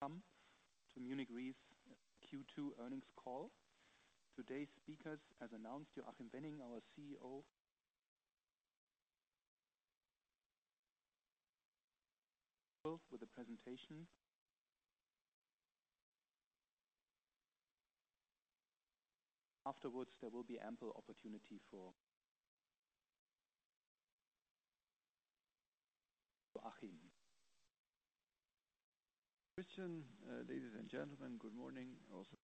Welcome to Munich Re's Q2 earnings call. Today's speakers, as announced, Joachim Wenning, our CEO, with a presentation. Afterwards, there will be ample opportunity for Joachim. Christian, ladies and gentlemen, good morning also.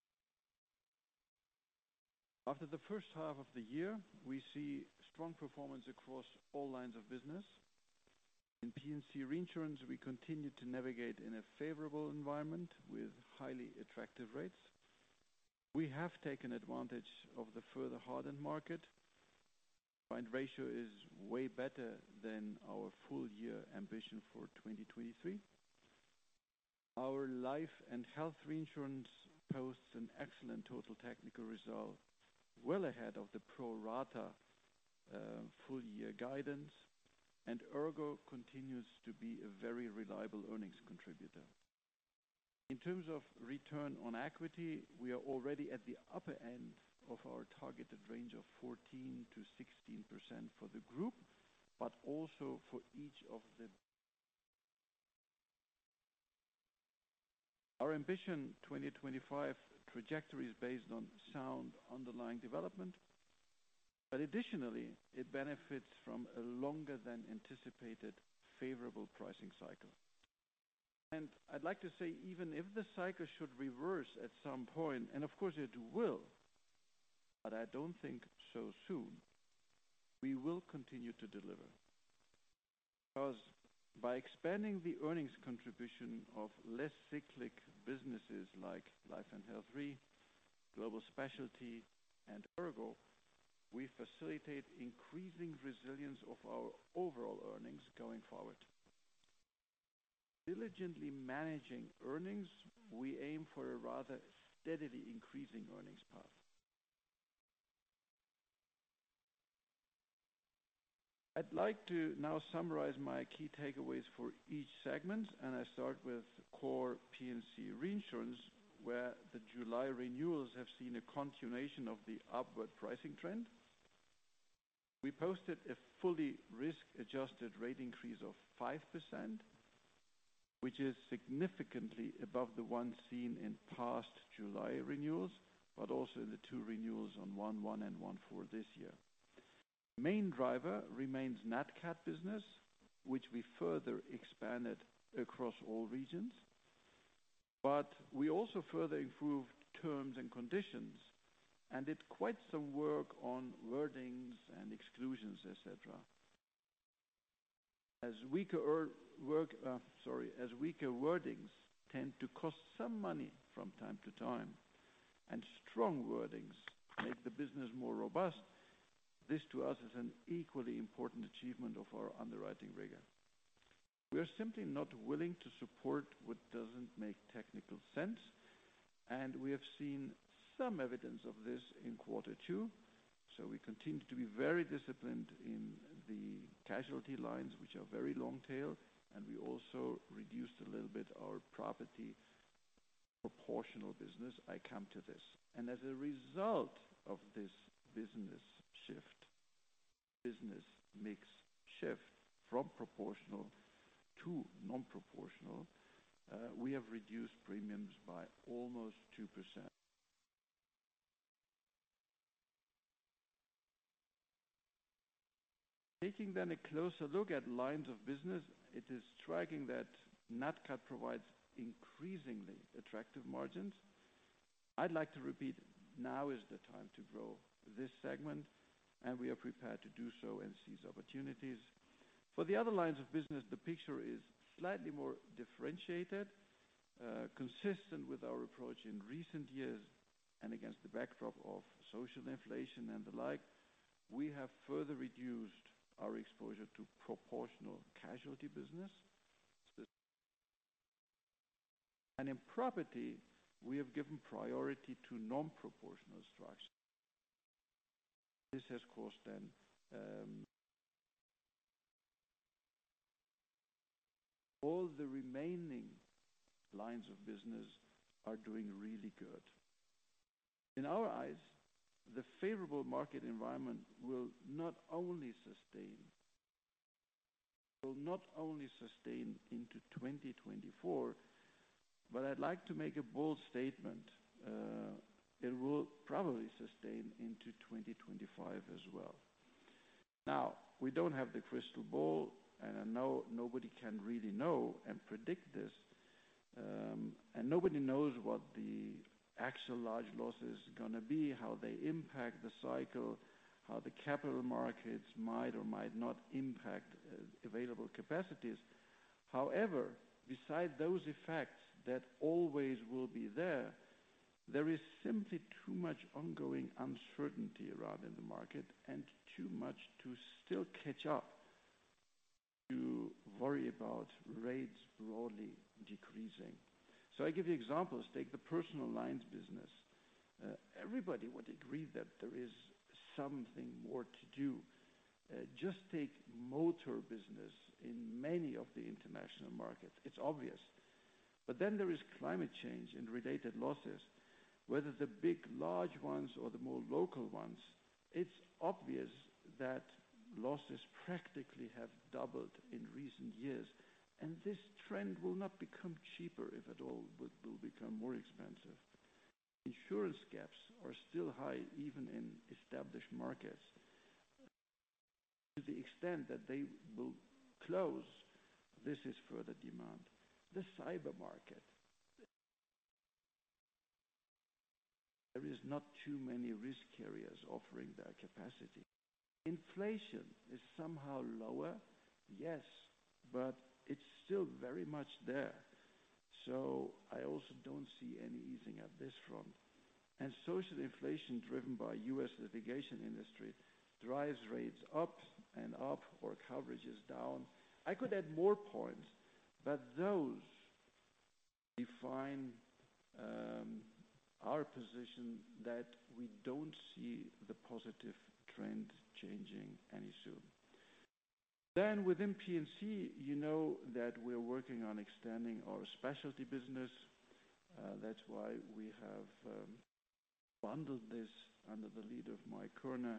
After the first half of the year, we see strong performance across all lines of business. In P&C Reinsurance, we continue to navigate in a favorable environment with highly attractive rates. We have taken advantage of the further hardened market, combined ratio is way better than our full year Ambition for 2025. Our Life/Health Reinsurance posts an excellent total technical result, well ahead of the pro rata full year guidance, and ERGO continues to be a very reliable earnings contributor. In terms of return on equity, we are already at the upper end of our targeted range of 14%-16% for the group, but also for each of the. Our Ambition 2025 trajectory is based on sound, underlying development, but additionally, it benefits from a longer than anticipated favorable pricing cycle. I'd like to say, even if the cycle should reverse at some point, and of course it will, but I don't think so soon, we will continue to deliver. By expanding the earnings contribution of less cyclic businesses like Life/Health Re, Global Specialty and ERGO, we facilitate increasing resilience of our overall earnings going forward. Diligently managing earnings, we aim for a rather steadily increasing earnings path. I'd like to now summarize my key takeaways for each segment. I start with core P&C Reinsurance, where the July renewals have seen a continuation of the upward pricing trend. We posted a fully risk-adjusted rate increase of 5%, which is significantly above the one seen in past July renewals, but also in the two renewals on 1/1 and 1/4 this year. Main driver remains NatCat business, which we further expanded across all regions, but we also further improved terms and conditions, and did quite some work on wordings and exclusions, et cetera. As weaker ear- work, sorry, as weaker wordings tend to cost some money from time-to-time, and strong wordings make the business more robust, this to us is an equally important achievement of our underwriting rigor. We are simply not willing to support what doesn't make technical sense, and we have seen some evidence of this in quarter two, so we continue to be very disciplined in the casualty lines, which are very long tail, and we also reduced a little bit our property proportional business. I come to this. As a result of this business shift, business mix shift from proportional to non-proportional, we have reduced premiums by almost 2%. Taking a closer look at lines of business, it is striking that NatCat provides increasingly attractive margins. I'd like to repeat, now is the time to grow this segment, and we are prepared to do so and seize opportunities. For the other lines of business, the picture is slightly more differentiated. Consistent with our approach in recent years and against the backdrop of social inflation and the like, we have further reduced our exposure to proportional casualty business. In property, we have given priority to non-proportional structures. This has cost them. All the remaining lines of business are doing really good. In our eyes, the favorable market environment will not only sustain, will not only sustain into 2024. I'd like to make a bold statement. It will probably sustain into 2025 as well. We don't have the crystal ball, and I know nobody can really know and predict this, and nobody knows what the actual large loss is gonna be, how they impact the cycle, how the capital markets might or might not impact available capacities. However, beside those effects that always will be there, there is simply too much ongoing uncertainty around in the market and too much to still catch up to worry about rates broadly decreasing. I give you examples. Take the personal lines business. Everybody would agree that there is something more to do. Just take motor business in many of the international markets, it's obvious. Then there is climate change and related losses, whether the big, large ones or the more local ones, it's obvious that losses practically have doubled in recent years, and this trend will not become cheaper. If at all, it will become more expensive. Insurance gaps are still high, even in established markets. To the extent that they will close, this is further demand. The cyber market, there is not too many risk carriers offering their capacity. Inflation is somehow lower, yes, but it's still very much there. I also don't see any easing at this front. Social inflation, driven by U.S. litigation industry, drives rates up and up or coverages down. I could add more points, but those define our position that we don't see the positive trend changing any soon. Within P&C Re, you know that we're working on extending our specialty business. That's why we have bundled this under the lead of Mike Kerner.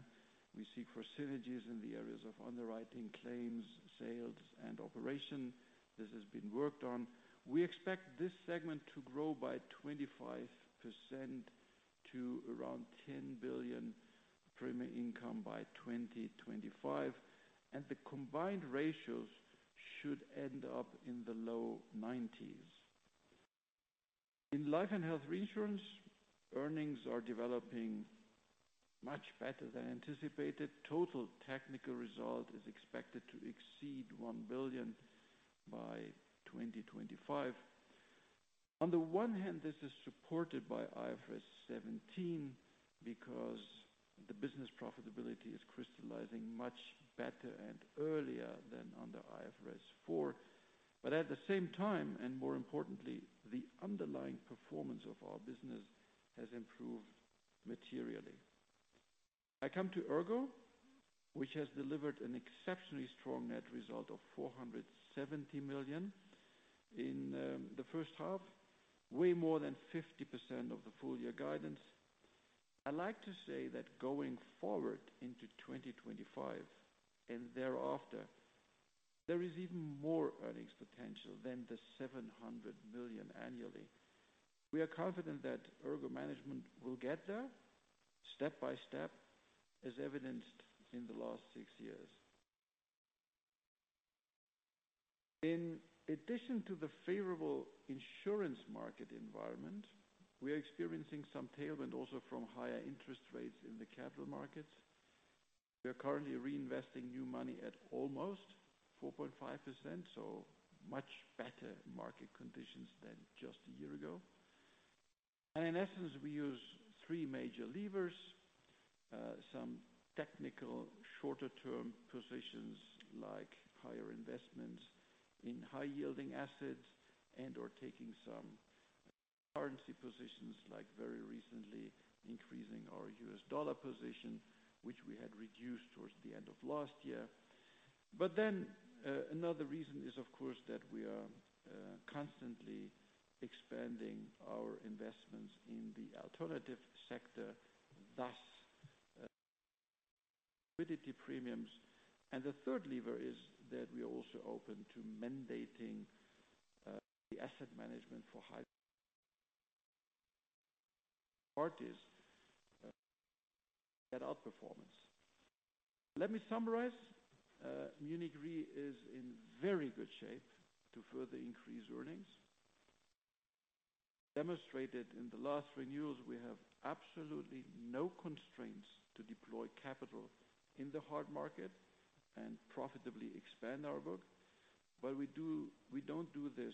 We seek for synergies in the areas of underwriting, claims, sales, and operation. This has been worked on. We expect this segment to grow by 25% to around 10 billion premium income by 2025, and the combined ratios should end up in the low 90s. In Life/Health Reinsurance, earnings are developing much better than anticipated. Total technical result is expected to exceed 1 billion by 2025. On the one hand, this is supported by IFRS 17 because the business profitability is crystallizing much better and earlier than under IFRS 4. At the same time, and more importantly, the underlying performance of our business has improved materially. I come to ERGO, which has delivered an exceptionally strong net result of 470 million in the first half, way more than 50% of the full year guidance. I like to say that going forward into 2025 and thereafter, there is even more earnings potential than 700 million annually. We are confident that ERGO management will get there step by step, as evidenced in the last six years. In addition to the favorable insurance market environment, we are experiencing some tailwind also from higher interest rates in the capital markets. We are currently reinvesting new money at almost 4.5%, so much better market conditions than just a year ago. In essence, we use three major levers: some technical, shorter-term positions, like higher investments in high-yielding assets and/or taking some currency positions, like very recently increasing our U.S. dollar position, which we had reduced towards the end of last year. Another reason is, of course, that we are constantly expanding our investments in the alternative sector, thus, liquidity premiums. The third lever is that we are also open to mandating the asset management for third parties at outperformance. Let me summarize. Munich Re is in very good shape to further increase earnings. Demonstrated in the last renewals, we have absolutely no constraints to deploy capital in the hard market and profitably expand our book. We don't do this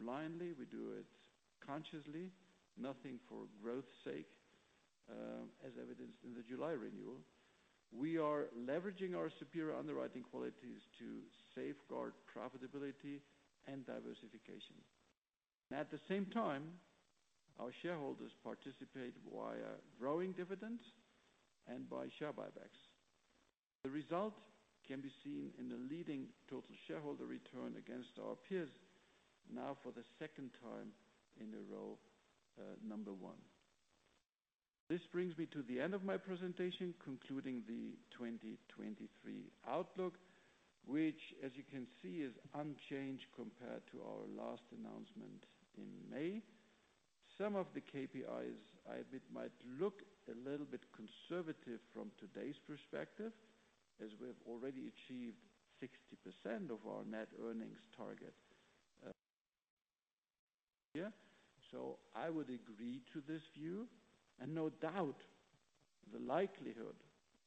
blindly. We do it consciously. Nothing for growth sake, as evidenced in the July renewal. We are leveraging our superior underwriting qualities to safeguard profitability and diversification. At the same time, our shareholders participate via growing dividends and by share buybacks. The result can be seen in the leading total shareholder return against our peers now for the second time in a row, number one. This brings me to the end of my presentation, concluding the 2023 outlook, which, as you can see, is unchanged compared to our last announcement in May. Some of the KPIs, I admit, might look a little bit conservative from today's perspective, as we have already achieved 60% of our net earnings target, so I would agree to this view. No doubt, the likelihood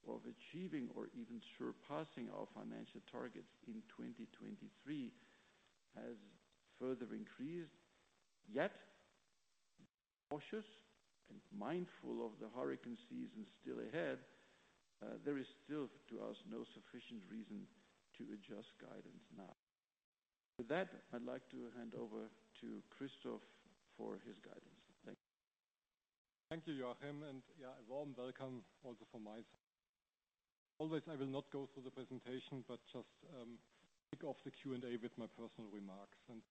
of achieving or even surpassing our financial targets in 2023 has further increased. Yet, cautious and mindful of the hurricane season still ahead, there is still, to us, no sufficient reason to adjust guidance now. With that, I'd like to hand over to Christoph for his guidance. Thank you. Thank you, Joachim. A warm welcome also from my side. Always, I will not go through the presentation, but just kick off the Q&A with my personal remarks. I'd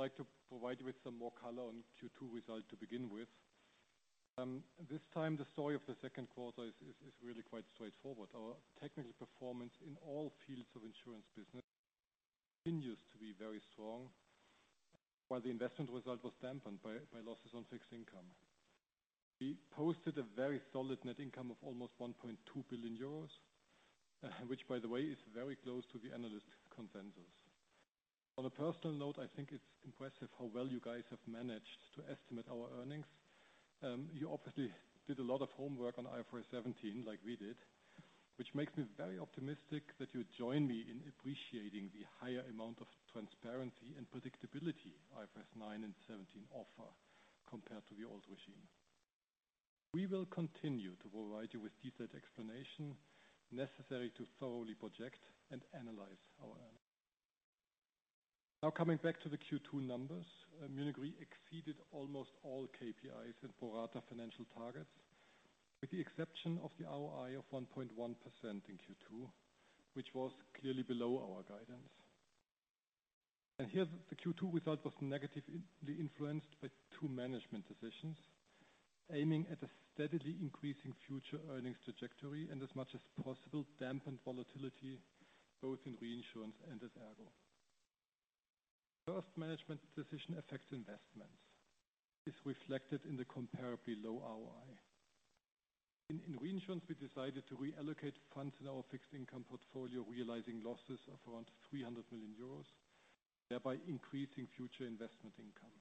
like to provide you with some more color on Q2 results to begin with. This time, the story of the second quarter is really quite straightforward. Our technical performance in all fields of insurance business continues to be very strong, while the investment result was dampened by losses on fixed income. We posted a very solid net income of almost 1.2 billion euros, which by the way, is very close to the analyst consensus. On a personal note, I think it's impressive how well you guys have managed to estimate our earnings. You obviously did a lot of homework on IFRS 17 like we did, which makes me very optimistic that you join me in appreciating the higher amount of transparency and predictability IFRS 9 and 17 offer compared to the old regime. We will continue to provide you with detailed explanation necessary to thoroughly project and analyze our earnings. Now, coming back to the Q2 numbers, Munich Re exceeded almost all KPIs and pro rata financial targets, with the exception of the ROI of 1.1% in Q2, which was clearly below our guidance. Here, the Q2 result was negatively influenced by two management decisions, aiming at a steadily increasing future earnings trajectory and as much as possible, dampened volatility, both in Reinsurance and as ERGO. First, management decision affects investments. This is reflected in the comparably low ROI. In Reinsurance, we decided to reallocate funds in our fixed income portfolio, realizing losses of around 300 million euros, thereby increasing future investment income.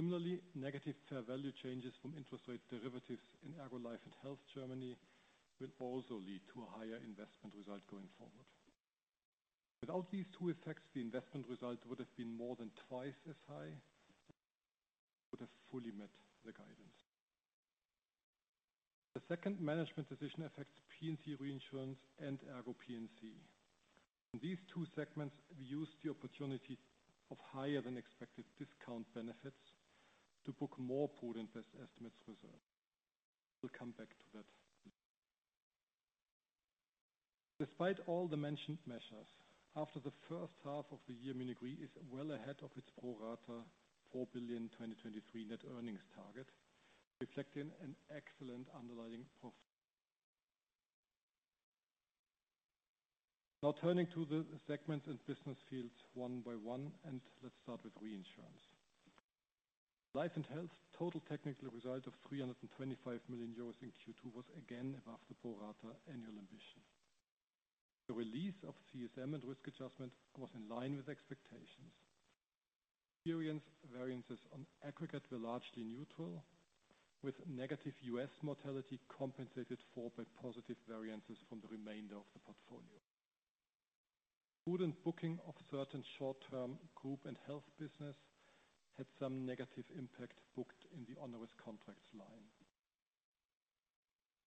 Similarly, negative fair value changes from interest rate derivatives in ERGO Life/Health Germany will also lead to a higher investment result going forward. Without these two effects, the investment result would have been more than twice as high, and we would have fully met the guidance. The second management decision affects P&C Reinsurance and ERGO P&C. In these two segments, we used the opportunity of higher-than-expected discount benefits to book more prudent best estimates reserve. We'll come back to that. Despite all the mentioned measures, after the first half of the year, Munich Re is well ahead of its pro rata 4 billion 2023 net earnings target, reflecting an excellent underlying profit. Now turning to the segments and business fields one by one. Let's start with reinsurance. Life and Health, total technical result of 325 million euros in Q2 was again above the pro rata annual ambition. The release of CSM and risk adjustment was in line with expectations. Experience variances on aggregate were largely neutral, with negative U.S. mortality compensated for by positive variances from the remainder of the portfolio. Prudent booking of certain short-term group and health business had some negative impact booked in the onerous contracts line.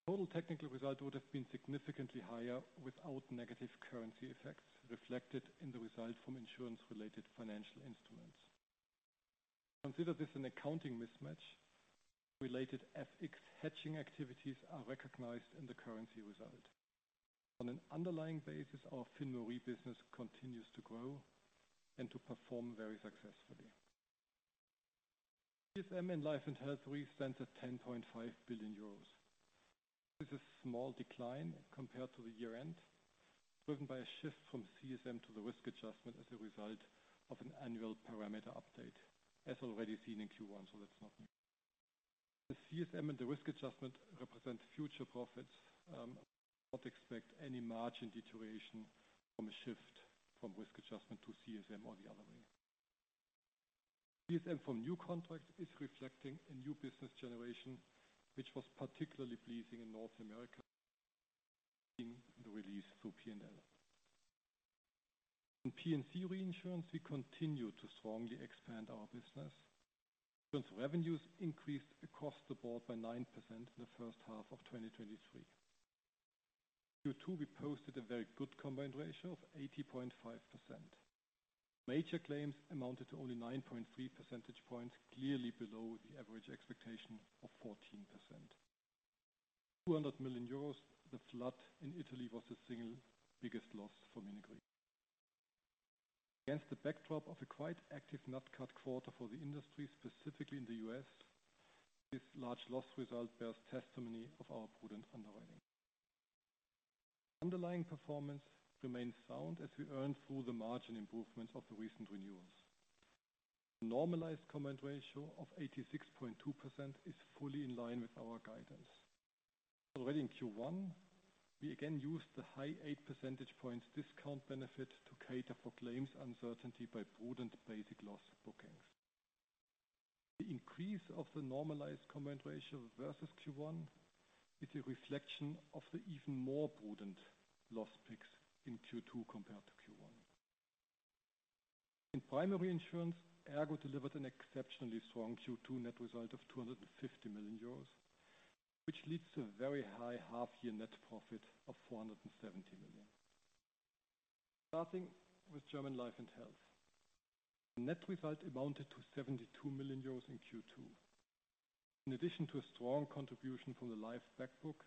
Total technical result would have been significantly higher without negative currency effects reflected in the result from insurance-related financial instruments. Consider this an accounting mismatch, related FX hedging activities are recognized in the currency result. On an underlying basis, our Fin Re business continues to grow and to perform very successfully. CSM in life and health, we stand at 10.5 billion euros. This is a small decline compared to the year-end, driven by a shift from CSM to the risk adjustment as a result of an annual parameter update, as already seen in Q1, that's not new. The CSM and the risk adjustment represent future profits, not expect any margin deterioration from a shift from risk adjustment to CSM or the other way. CSM from new contracts is reflecting a new business generation, which was particularly pleasing in North America in the release through P&L. In P&C Reinsurance, we continued to strongly expand our business. Insurance revenues increased across the board by 9% in the first half of 2023. Q2, we posted a very good combined ratio of 80.5%. Major claims amounted to only 9.3 percentage points, clearly below the average expectation of 14%. 200 million euros, the flood in Italy was the single biggest loss for Munich Re. Against the backdrop of a quite active NatCat quarter for the industry, specifically in the U.S., this large loss result bears testimony of our prudent underwriting. Underlying performance remains sound as we earn through the margin improvements of the recent renewals. Normalized combined ratio of 86.2% is fully in line with our guidance. Already in Q1, we again used the high 8 percentage points discount benefit to cater for claims uncertainty by prudent basic loss bookings. The increase of the normalized combined ratio versus Q1 is a reflection of the even more prudent loss picks in Q2 compared to Q1. In primary insurance, ERGO delivered an exceptionally strong Q2 net result of 250 million euros, which leads to a very high half-year net profit of 470 million. Starting with German Life/Health. Net result amounted to 72 million euros in Q2. In addition to a strong contribution from the life back book,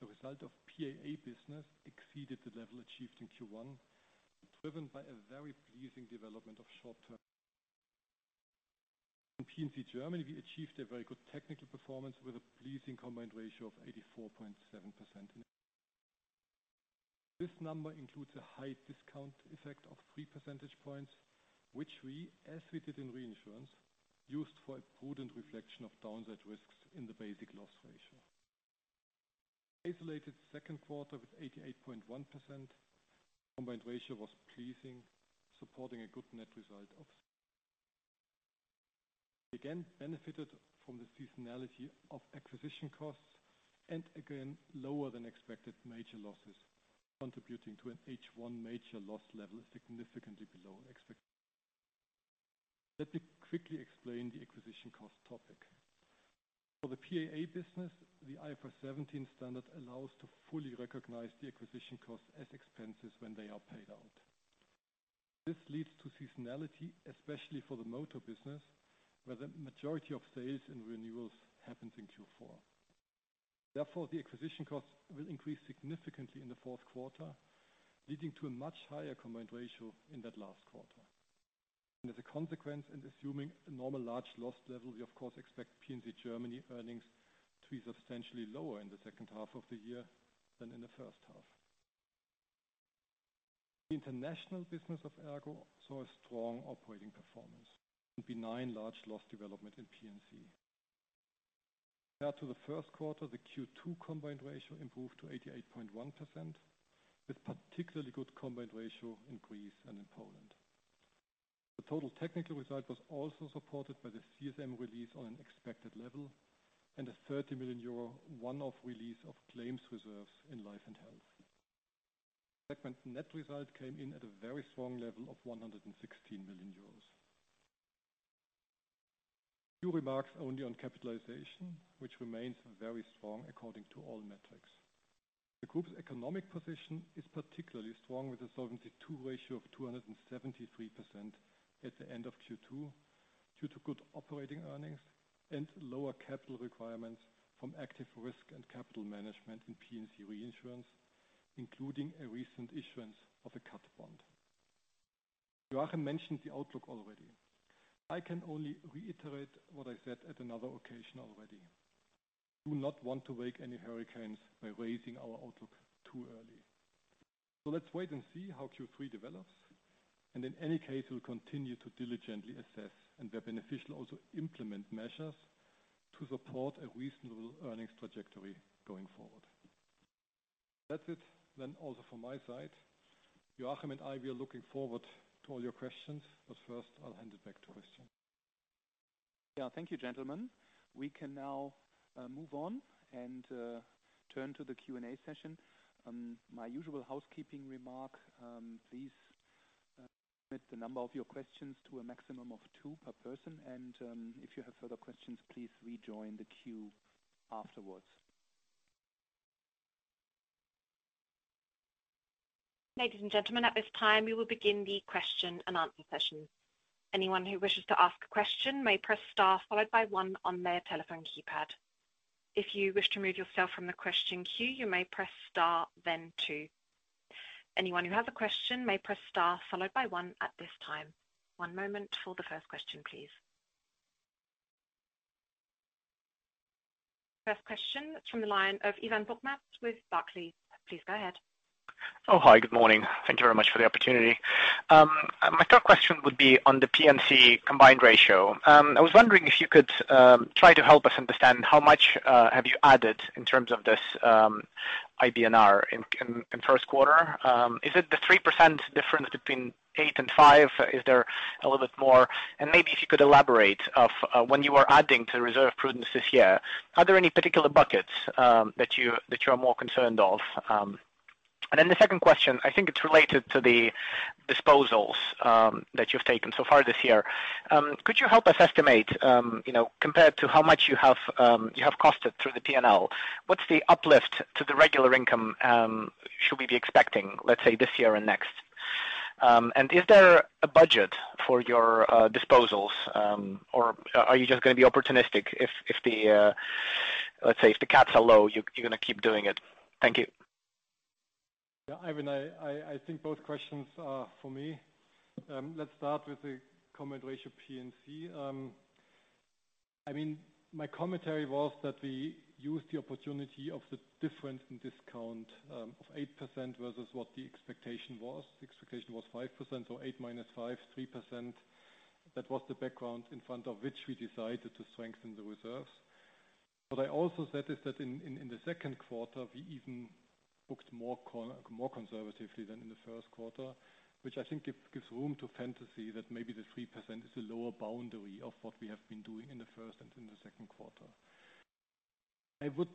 the result of PAA business exceeded the level achieved in Q1, driven by a very pleasing development of short-term. In P&C Germany, we achieved a very good technical performance with a pleasing combined ratio of 84.7%. This number includes a high discount effect of 3 percentage points, which we, as we did in Reinsurance, used for a prudent reflection of downside risks in the basic loss ratio. Isolated second quarter with 88.1%, combined ratio was pleasing, supporting a good net result of. Again, benefited from the seasonality of acquisition costs and again, lower than expected major losses, contributing to an H1 major loss level significantly below expect. Let me quickly explain the acquisition cost topic. For the PAA business, the IFRS 17 standard allows to fully recognize the acquisition costs as expenses when they are paid out. This leads to seasonality, especially for the motor business, where the majority of sales and renewals happens in Q4. Therefore, the acquisition costs will increase significantly in the fourth quarter, leading to a much higher combined ratio in that last quarter. As a consequence, and assuming a normal large loss level, we of course expect P&C Germany earnings to be substantially lower in the second half of the year than in the first half. International business of ERGO saw a strong operating performance and benign large loss development in P&C. Compared to the first quarter, the Q2 combined ratio improved to 88.1%, with particularly good combined ratio in Greece and in Poland. The total technical result was also supported by the CSM release on an expected level and a 30 million euro one-off release of claims reserves in life and health. Segment net result came in at a very strong level of 116 million euros. Few remarks only on capitalization, which remains very strong according to all metrics. The group's economic position is particularly strong, with a Solvency II ratio of 273% at the end of Q2, due to good operating earnings and lower capital requirements from active risk and capital management in P&C Reinsurance, including a recent issuance of a cat bond. Joachim mentioned the outlook already. I can only reiterate what I said at another occasion already. Do not want to wake any hurricanes by raising our outlook too early. Let's wait and see how Q3 develops, and in any case, we'll continue to diligently assess and where beneficial, also implement measures to support a reasonable earnings trajectory going forward. That's it then also from my side. Joachim and I, we are looking forward to all your questions, but first I'll hand it back to Christian. Yeah, thank you, gentlemen. We can now move on and turn to the Q&A session. My usual housekeeping remark, please limit the number of your questions to a maximum of two per person, and if you have further questions, please rejoin the queue afterwards. Ladies and gentlemen, at this time, we will begin the question and answer session. Anyone who wishes to ask a question may press star, followed by one on their telephone keypad. If you wish to remove yourself from the question queue, you may press star, then two. Anyone who has a question may press star, followed by one at this time. One moment for the first question, please. First question from the line of Ivan Bokhmat with Barclays. Please go ahead. Oh, hi, good morning. Thank you very much for the opportunity. My first question would be on the P&C combined ratio. I was wondering if you could try to help us understand how much have you added in terms of this IBNR in first quarter? Is it the 3% difference between 8% and 5%? Is there a little bit more? Maybe if you could elaborate of when you are adding to reserve prudence this year, are there any particular buckets that you are more concerned of? The second question, I think it's related to the disposals that you've taken so far this year. Could you help us estimate, you know, compared to how much you have, you have costed through the P&L, what's the uplift to the regular income, should we be expecting, let's say, this year and next? Is there a budget for your disposals, or are you just going to be opportunistic if, if the, let's say, if the cats are low, you, you're going to keep doing it? Thank you. Yeah, Ivan, I think both questions are for me. Let's start with the combined ratio P&C. I mean, my commentary was that we used the opportunity of the difference in discount of 8% versus what the expectation was. The expectation was 5%, 8%-5%, 3%. That was the background in front of which we decided to strengthen the reserves. What I also said is that in the second quarter, we even booked more conservatively than in the first quarter, which I think gives room to fantasy, that maybe the 3% is the lower boundary of what we have been doing in the first and in the second quarter. I would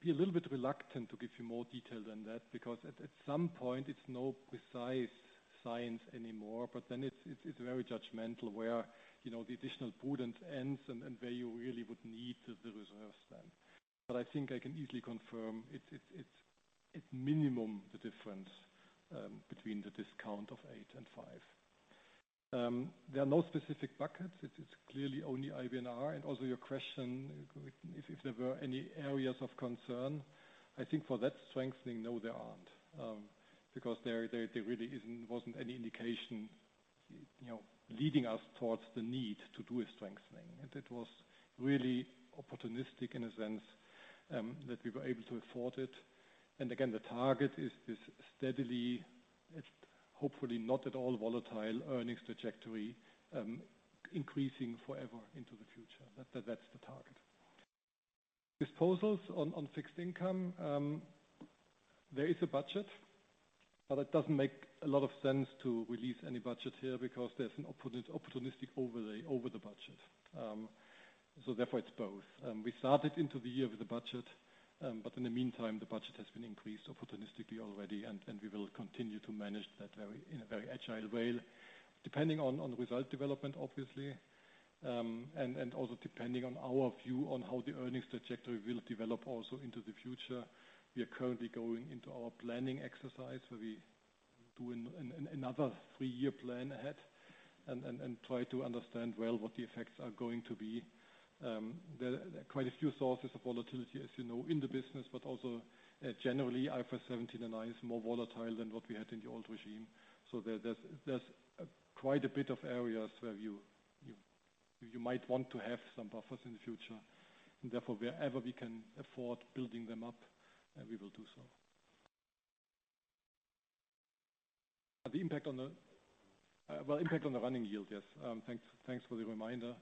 be a little bit reluctant to give you more detail than that, because at some point, it's no precise science anymore. Then it's, it's, it's very judgmental where, you know, the additional prudence ends and, and where you really would need the, the reserves then. I think I can easily confirm it's, it's, it's, it's minimum the difference between the discount of 8% and 5%. There are no specific buckets. It is clearly only IBNR. Also your question, if, if there were any areas of concern, I think for that strengthening, no, there aren't. Because there, there, there really wasn't any indication, you know, leading us towards the need to do a strengthening. It was really opportunistic in a sense that we were able to afford it. Again, the target is this steadily, it's hopefully not at all volatile earnings trajectory, increasing forever into the future. That, that, that's the target. Disposals on, on fixed income, there is a budget, but it doesn't make a lot of sense to release any budget here because there's an opportunistic overlay over the budget. Therefore, it's both. We started into the year with a budget, but in the meantime, the budget has been increased opportunistically already, and, and we will continue to manage that very, in a very agile way, depending on, on the result development, obviously, and, and also depending on our view on how the earnings trajectory will develop also into the future. We are currently going into our planning exercise, where we do another three-year plan ahead and, and, and try to understand well what the effects are going to be. There are quite a few sources of volatility, as you know, in the business, but also, generally, IFRS 17 and I is more volatile than what we had in the old regime. There, there's quite a bit of areas where you might want to have some buffers in the future, and therefore, wherever we can afford building them up, we will do so. The impact on the, well, impact on the running yield, yes. Thanks, thanks for the reminder.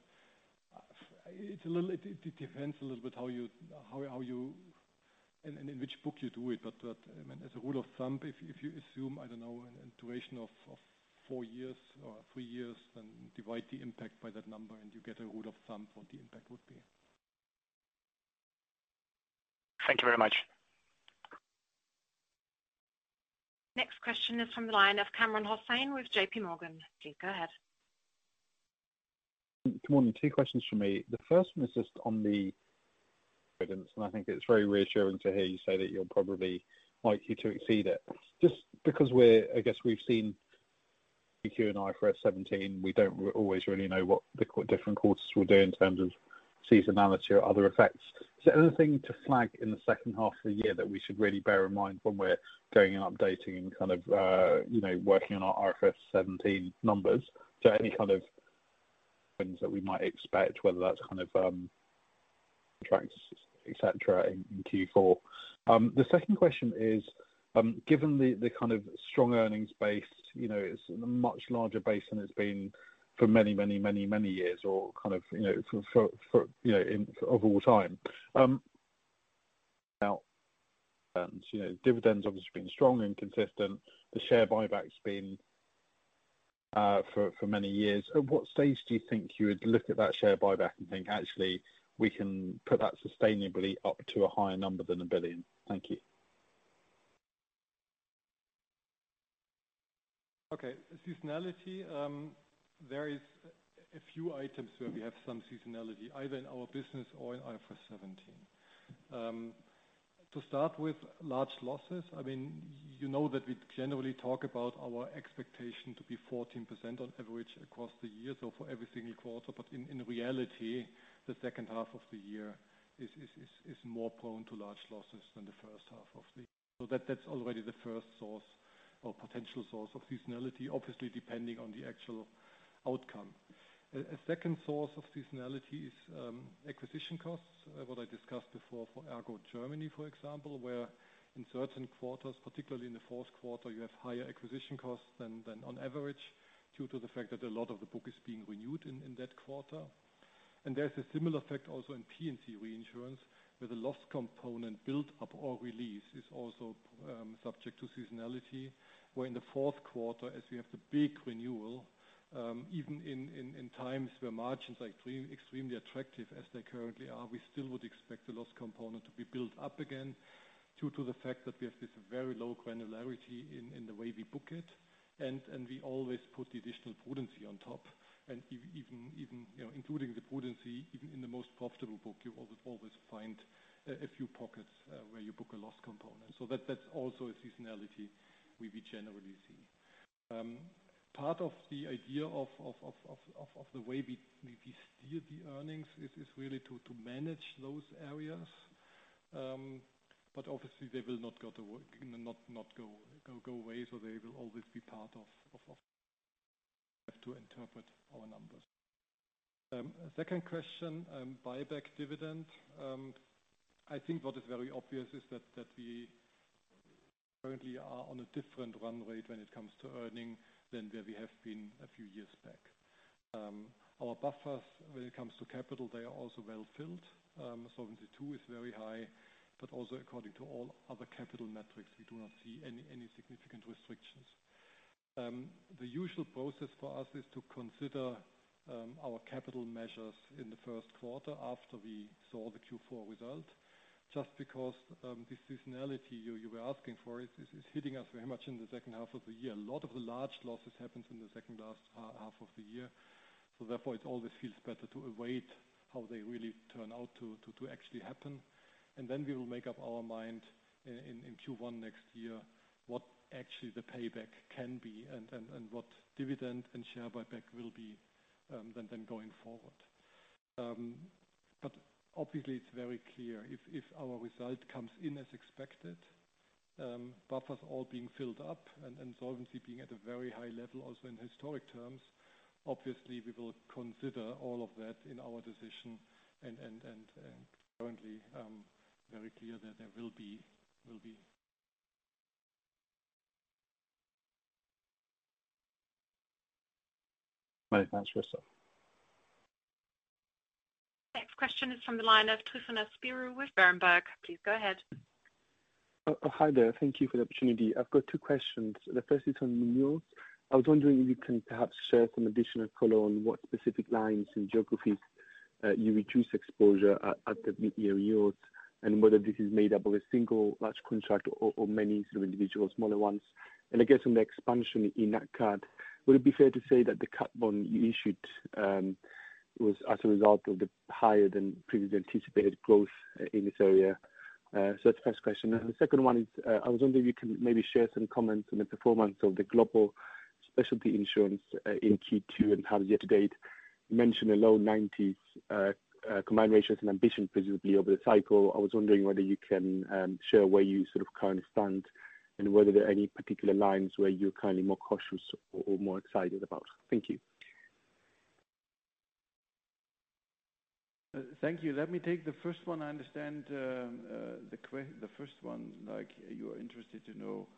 It depends a little bit how you, and in which book you do it. I mean, as a rule of thumb, if you assume, I don't know, a duration of 4 years or 3 years, then divide the impact by that number, and you get a rule of thumb for what the impact would be. Thank you very much. Next question is from the line of Kamran Hossain with JPMorgan. Please go ahead. Good morning. Two questions from me. The first one is just on the evidence. I think it's very reassuring to hear you say that you're probably likely to exceed it. Just because we're I guess we've seen IFRS 17, we don't always really know what the different quarters will do in terms of seasonality or other effects. Is there anything to flag in the second half of the year that we should really bear in mind when we're going and updating and kind of, you know, working on our IFRS 17 numbers? Any kind of things that we might expect, whether that's kind of, tracks, et cetera, in Q4. The second question is, given the, the kind of strong earnings base, you know, it's a much larger base than it's been for many, many, many, many years, or kind of, you know, for, you know, of all time. Now, you know, dividends obviously been strong and consistent. The share buyback's been for many years. At what stage do you think you would look at that share buyback and think, "Actually, we can put that sustainably up to a higher number than 1 billion?" Thank you. Okay. Seasonality, there is a few items where we have some seasonality, either in our business or in IFRS 17. To start with, large losses, I mean, you know that we generally talk about our expectation to be 14% on average across the year, so for every single quarter. In, in reality, the second half of the year is more prone to large losses than the first half of the year. That, that's already the first source or potential source of seasonality, obviously, depending on the actual outcome. A second source of seasonality is acquisition costs, what I discussed before for ERGO, Germany, for example, where in certain quarters, particularly in the fourth quarter, you have higher acquisition costs than on average, due to the fact that a lot of the book is being renewed in that quarter. There's a similar effect also in P&C Reinsurance, where the loss component build up or release is also subject to seasonality, where in the fourth quarter, as we have the big renewal, even in times where margins are extremely attractive as they currently are, we still would expect the loss component to be built up again, due to the fact that we have this very low granularity in the way we book it, and we always put the additional prudency on top. Even, you know, including the prudency, even in the most profitable book, you always, always find a few pockets where you book a loss component. That, that's also a seasonality we generally see. Part of the idea of the way we steer the earnings is really to manage those areas, but obviously they will not go to work, not go away, so they will always be part of to interpret our numbers. Second question, buyback dividend. I think what is very obvious is that we currently are on a different run rate when it comes to earning than where we have been a few years back. Our buffers, when it comes to capital, they are also well filled. 22 is very high, but also according to all other capital metrics, we do not see any, any significant restrictions. .The usual process for us is to consider our capital measures in the first quarter after we saw the Q4 result. Because the seasonality you, you were asking for is hitting us very much in the second half of the year. A lot of the large losses happens in the second half of the year. Therefore, it always feels better to await how they really turn out to actually happen. Then we will make up our mind in Q1 next year, what actually the payback can be and what dividend and share buyback will be then going forward. Obviously, it's very clear if, if our result comes in as expected, buffers all being filled up and solvency being at a very high level, also in historic terms, obviously, we will consider all of that in our decision and currently, very clear that there will be. Many thanks, Christoph. Next question is from the line of Tryfonas Spyrou with Berenberg. Please go ahead. Hi there. Thank you for the opportunity. I've got two questions. The first is on renewals. I was wondering if you can perhaps share some additional color on what specific lines and geographies you reduced exposure at, at the mid-year renewals, and whether this is made up of a single large contract or, or many sort of individual smaller ones? I guess on the expansion in NatCat, would it be fair to say that the cat bond you issued was as a result of the higher than previously anticipated growth in this area? That's the first question. The second one is, I was wondering if you can maybe share some comments on the performance of the Global Specialty Insurance in Q2 and how it's year-to-date. You mentioned a low 90s combined ratios and ambition, presumably over the cycle. I was wondering whether you can share where you sort of currently stand, and whether there are any particular lines where you're currently more cautious or, or more excited about? Thank you. Thank you. Let me take the first one. I understand, like, you are interested to know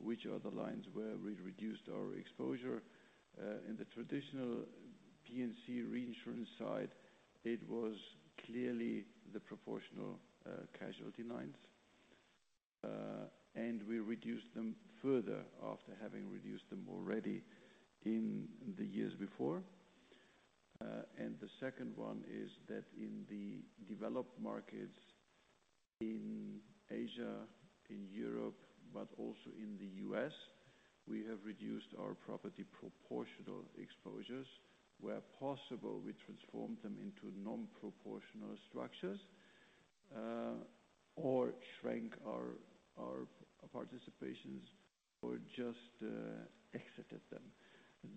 which are the lines where we reduced our exposure. In the traditional P&C Reinsurance side, it was clearly the proportional casualty lines. We reduced them further after having reduced them already in the years before. The second one is that in the developed markets in Asia, in Europe, but also in the U.S., we have reduced our property proportional exposures. Where possible, we transformed them into non-proportional structures, or shrank our, our participations or just exited them.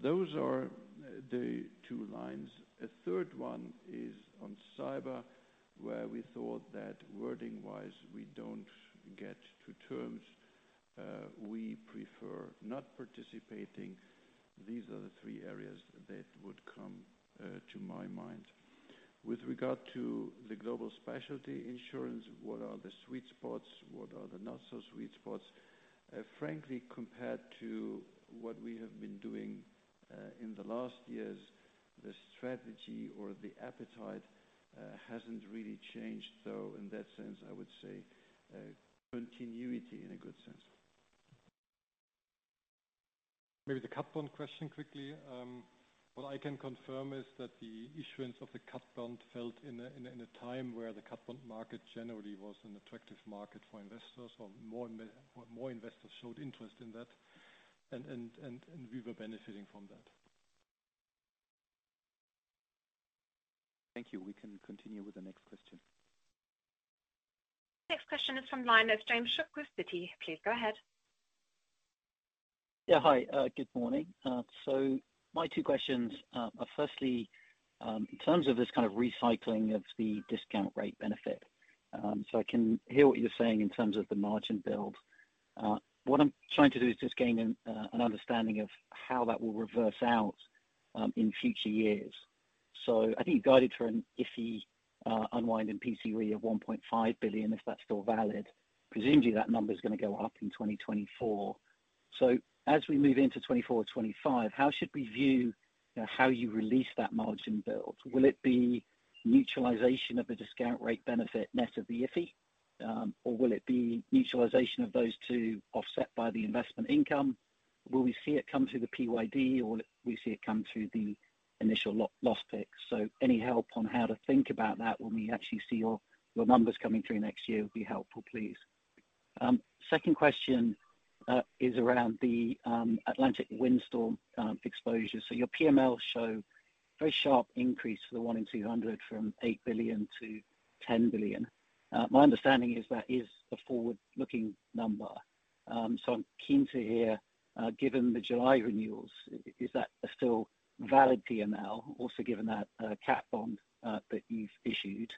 Those are the two lines. A third one is on cyber, where we thought that wording-wise, we don't get to terms, we prefer not participating. These are the three areas that would come to my mind. With regard to the Global Specialty Insurance, what are the sweet spots? What are the not-so-sweet spots? Frankly, compared to what we have been doing, in the last years, the strategy or the appetite, hasn't really changed. In that sense, I would say, continuity in a good sense. Maybe the cat bond question quickly. What I can confirm is that the issuance of the cat bond fell in a time where the cat bond market generally was an attractive market for investors, or more investors showed interest in that, and we were benefiting from that. Thank you. We can continue with the next question. Next question is from line of James Shuck with Citi. Please go ahead. Yeah. Hi, good morning. So my two questions are firstly, in terms of this kind of recycling of the discount rate benefit, so I can hear what you're saying in terms of the margin build. What I'm trying to do is just gain an understanding of how that will reverse out in future years. So I think you guided for an IFI unwind in P&C Re of 1.5 billion, if that's still valid. Presumably, that number is going to go up in 2024. As we move into 2024, 2025, how should we view how you release that margin build? Will it be neutralization of the discount rate benefit net of the IFI, or will it be neutralization of those two offset by the investment income? Will we see it come through the PYD, or will we see it come through the initial loss pick? Any help on how to think about that when we actually see your, your numbers coming through next year would be helpful, please. Second question is around the Atlantic windstorm exposure. Your PML show very sharp increase for the 1 in 200, from 8 billion-10 billion. My understanding is that is a forward-looking number. I'm keen to hear, given the July renewals, is that a still valid PML, also given that cat bond that you've issued?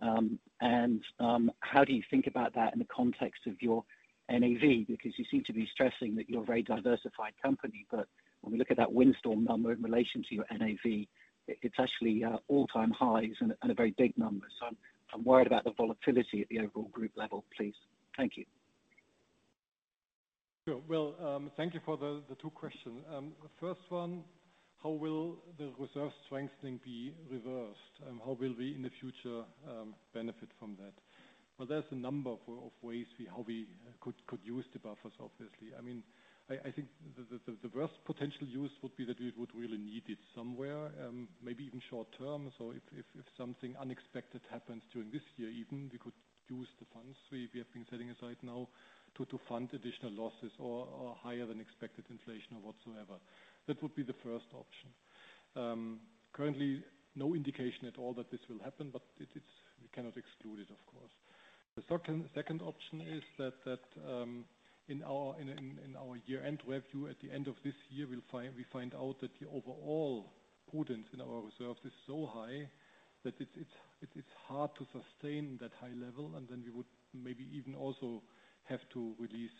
How do you think about that in the context of your NAV? You seem to be stressing that you're a very diversified company, but when we look at that windstorm number in relation to your NAV, it's actually all-time highs and a very big number. I'm, I'm worried about the volatility at the overall group level, please. Thank you. Sure. Well, thank you for the, the two questions. The first one- How will the reserve strengthening be reversed? How will we in the future benefit from that? Well, there's a number of, of ways we, how we could, could use the buffers, obviously. I mean, I, I think the, the, the worst potential use would be that we would really need it somewhere, maybe even short term. If, if, if something unexpected happens during this year, even we could use the funds we, we have been setting aside now to, to fund additional losses or, or higher than expected inflation or whatsoever. That would be the first option. Currently, no indication at all that this will happen, but we cannot exclude it, of course. The second option is that, in our year-end review at the end of this year, we find out that the overall prudence in our reserves is so high that it's hard to sustain that high level, and then we would maybe even also have to release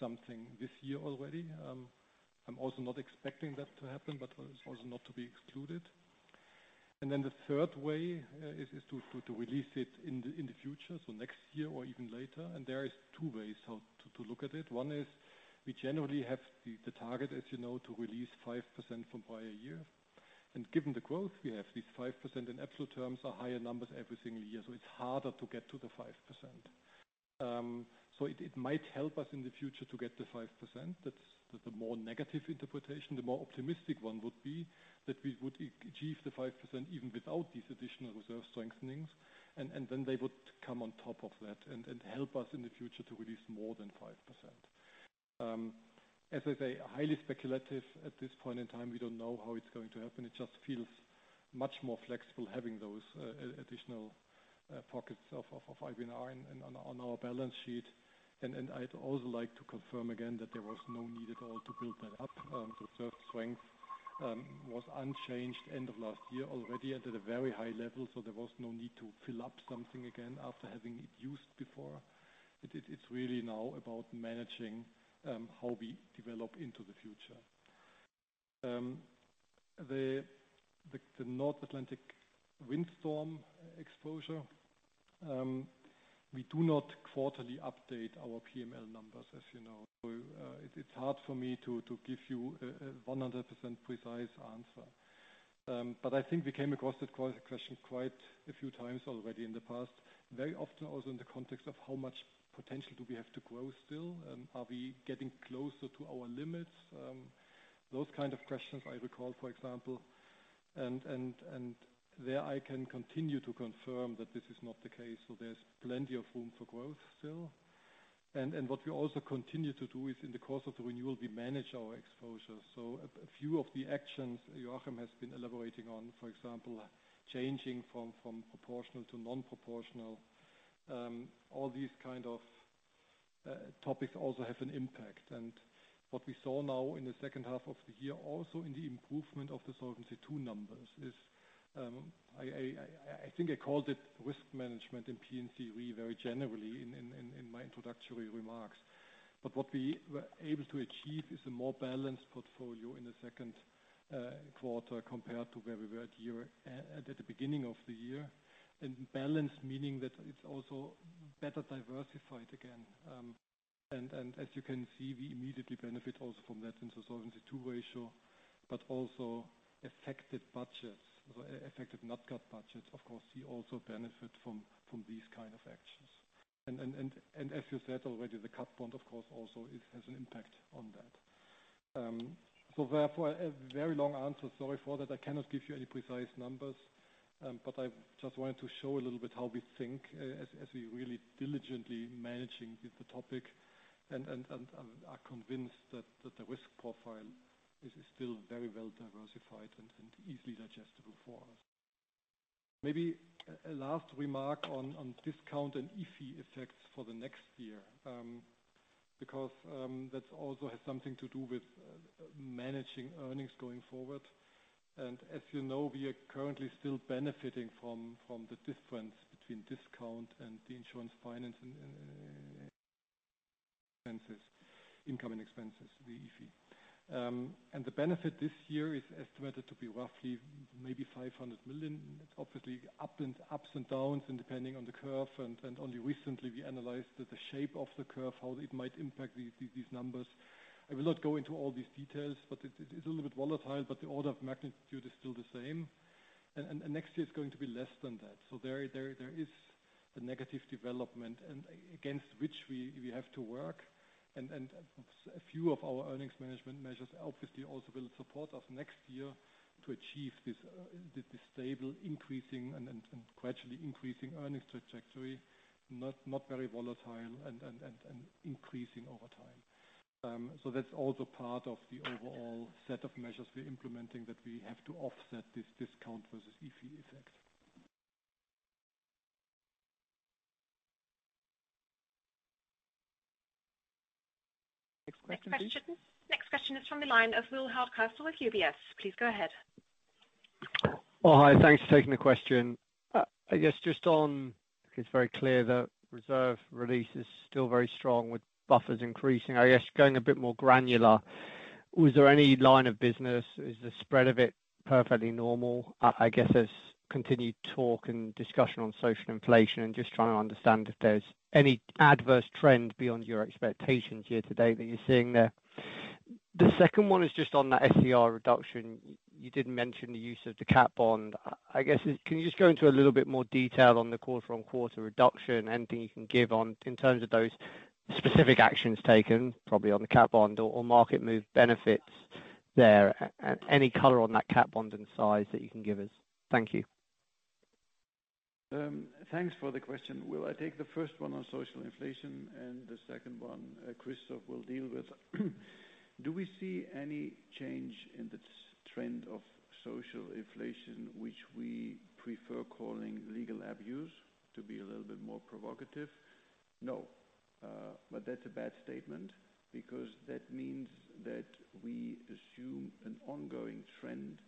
something this year already. I'm also not expecting that to happen, but it's also not to be excluded. The third way is to release it in the future, so next year or even later. There is two ways how to look at it. One is we generally have the target, as you know, to release 5% from prior year. Given the growth, we have these 5% in absolute terms are higher numbers every single year, so it's harder to get to the 5%. It might help us in the future to get to 5%. That's the more negative interpretation. The more optimistic one would be that we would achieve the 5% even without these additional reserve strengthenings, and then they would come on top of that and help us in the future to release more than 5%. As I say, highly speculative at this point in time. We don't know how it's going to happen. It just feels much more flexible having those additional pockets of IBNR on our balance sheet. I'd also like to confirm again that there was no need at all to build that up. The reserve strength was unchanged end of last year, already at a very high level. There was no need to fill up something again after having it used before. It's really now about managing how we develop into the future. The North Atlantic windstorm exposure. We do not quarterly update our PML numbers, as you know. It's hard for me to give you a 100% precise answer. I think we came across that question quite a few times already in the past, very often also in the context of how much potential do we have to grow still, are we getting closer to our limits? Those kind of questions I recall, for example, and there I can continue to confirm that this is not the case, so there's plenty of room for growth still. What we also continue to do is in the course of the renewal, we manage our exposure. A few of the actions Joachim has been elaborating on, for example, changing from proportional to non-proportional. All these kind of topics also have an impact. What we saw now in the second half of the year, also in the improvement of the Solvency II numbers, is, I think I called it risk management in P&C Re very generally in my introductory remarks. What we were able to achieve is a more balanced portfolio in the second quarter compared to where we were at year. At the beginning of the year. Balanced, meaning that it's also better diversified again. As you can see, we immediately benefit also from that in the Solvency II ratio, but also affected budgets, affected NatCat budgets, of course, we also benefit from these kind of actions. As you said already, the cat bond, of course, also it has an impact on that. Therefore, a very long answer. Sorry for that. I cannot give you any precise numbers, but I just wanted to show a little bit how we think as we really diligently managing the topic and are convinced that the risk profile is still very well diversified and easily digestible for us. Maybe a last remark on discount and IFI effects for the next year, because that also has something to do with managing earnings going forward. As you know, we are currently still benefiting from, from the difference between discount and the insurance finance and expenses, income and expenses, the IFI. The benefit this year is estimated to be roughly maybe 500 million, obviously, ups and downs, and depending on the curve, and only recently we analyzed that the shape of the curve, how it might impact these, these, these numbers. I will not go into all these details, but it's a little bit volatile, but the order of magnitude is still the same. Next year, it's going to be less than that. There, there, there is a negative development and against which we, we have to work. A few of our earnings management measures obviously also will support us next year to achieve this, this stable increasing and, and, and gradually increasing earnings trajectory, not, not very volatile and, and, and, and increasing over time. That's also part of the overall set of measures we're implementing, that we have to offset this discount versus IFI effect. Next question, please. Next question. Next question is from the line of William Hardcastle with UBS. Please go ahead. Oh, hi. Thanks for taking the question. I guess just on, it's very clear that reserve release is still very strong with buffers increasing. I guess going a bit more granular, was there any line of business? Is the spread of it perfectly normal? I guess there's continued talk and discussion on social inflation and just trying to understand if there's any adverse trend beyond your expectations year to date that you're seeing there? The second one is just on that SCR reduction. You did mention the use of the cat bond. I guess, can you just go into a little bit more detail on the quarter-on-quarter reduction? Anything you can give on in terms of those specific actions taken, probably on the cat bond or market move benefits there, and any color on that cat bond and size that you can give us? Thank you. Thanks for the question. Well, I take the first one on social inflation, the second one Christoph will deal with. Do we see any change in the trend of social inflation, which we prefer calling legal abuse, to be a little bit more provocative? No. That's a bad statement because that means that we assume an ongoing trend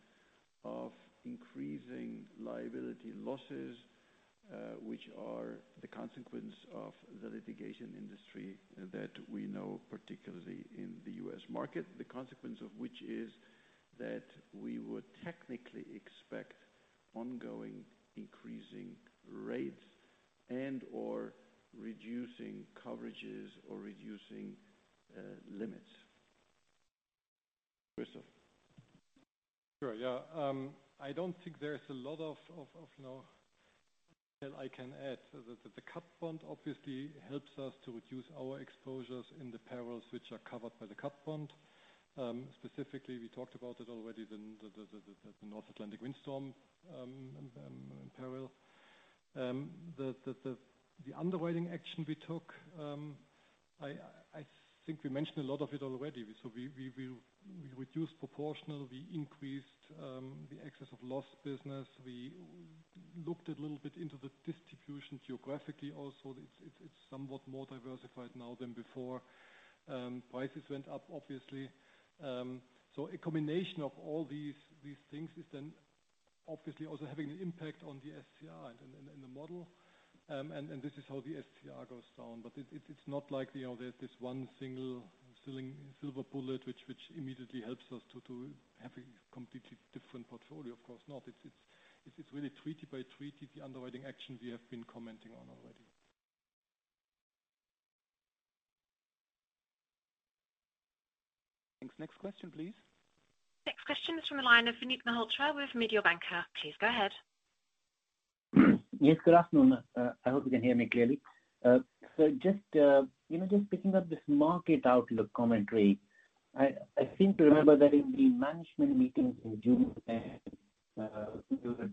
of increasing liability losses, which are the consequence of the litigation industry that we know, particularly in the U.S. market. The consequence of which is that we would technically expect ongoing increasing rates and/or reducing coverages or reducing limits. Christoph? Sure, yeah. I don't think there is a lot of, you know, that I can add. The cat bond obviously helps us to reduce our exposures in the perils which are covered by the cat bond. Specifically, we talked about it already, the North Atlantic windstorm peril. The underwriting action we took, I think we mentioned a lot of it already. We reduced proportional, we increased the excess of loss business. We looked a little bit into the distribution geographically also. It's somewhat more diversified now than before. Prices went up, obviously. A combination of all these things is then obviously also having an impact on the SCR and the model. This is how the SCR goes down, but it's, it's not like, you know, there's this one single silly silver bullet, which, which immediately helps us to, to have a completely different portfolio. Of course not. It's, it's, it's really treaty by treaty, the underwriting action we have been commenting on already. Thanks. Next question, please. Next question is from the line of Vinit Malhotra with Mediobanca. Please go ahead. Yes, good afternoon. I hope you can hear me clearly. Just, you know, just picking up this market outlook commentary, I, I seem to remember that in the management meeting in June, there was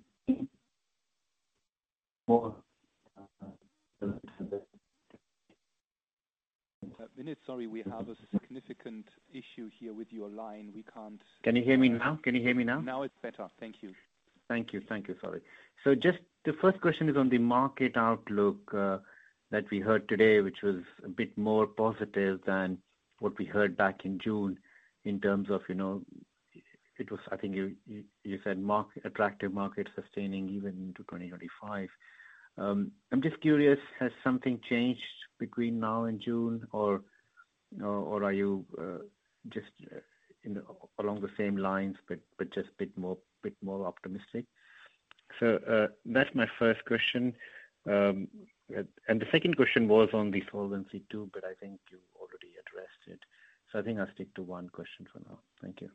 more- Vinit, sorry, we have a significant issue here with your line. We can't- Can you hear me now? Can you hear me now? Now it's better. Thank you. Thank you. Thank you. Sorry. Just the first question is on the market outlook that we heard today, which was a bit more positive than what we heard back in June in terms of, you know, it was I think you, you, you said attractive market sustaining even into 2025. I'm just curious, has something changed between now and June, or are you just, you know, along the same lines, but just a bit more, bit more optimistic? That's my first question. The second question was on the Solvency II, but I think you already addressed it. I think I'll stick to one question for now. Thank you.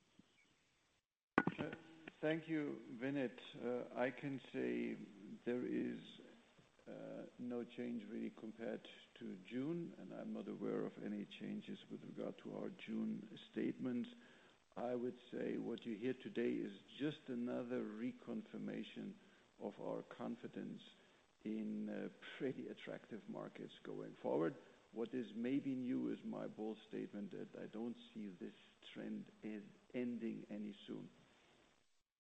Thank you, Vinit. I can say there is no change really compared to June, and I'm not aware of any changes with regard to our June statement. I would say what you hear today is just another reconfirmation of our confidence in pretty attractive markets going forward. What is maybe new is my bold statement that I don't see this trend is ending any soon.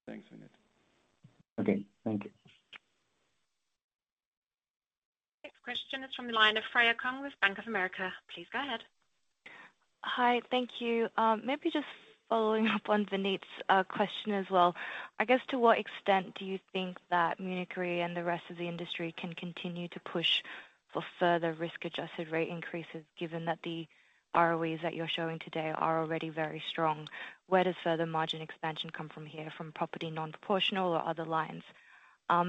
Thanks, Vinit. Okay, thank you. Next question is from the line of Freya Kong with Bank of America. Please go ahead. Hi, thank you. Maybe just following up on Vinit's question as well. I guess, to what extent do you think that Munich Re and the rest of the industry can continue to push for further risk-adjusted rate increases, given that the ROEs that you're showing today are already very strong? Where does further margin expansion come from here, from property non-proportional or other lines?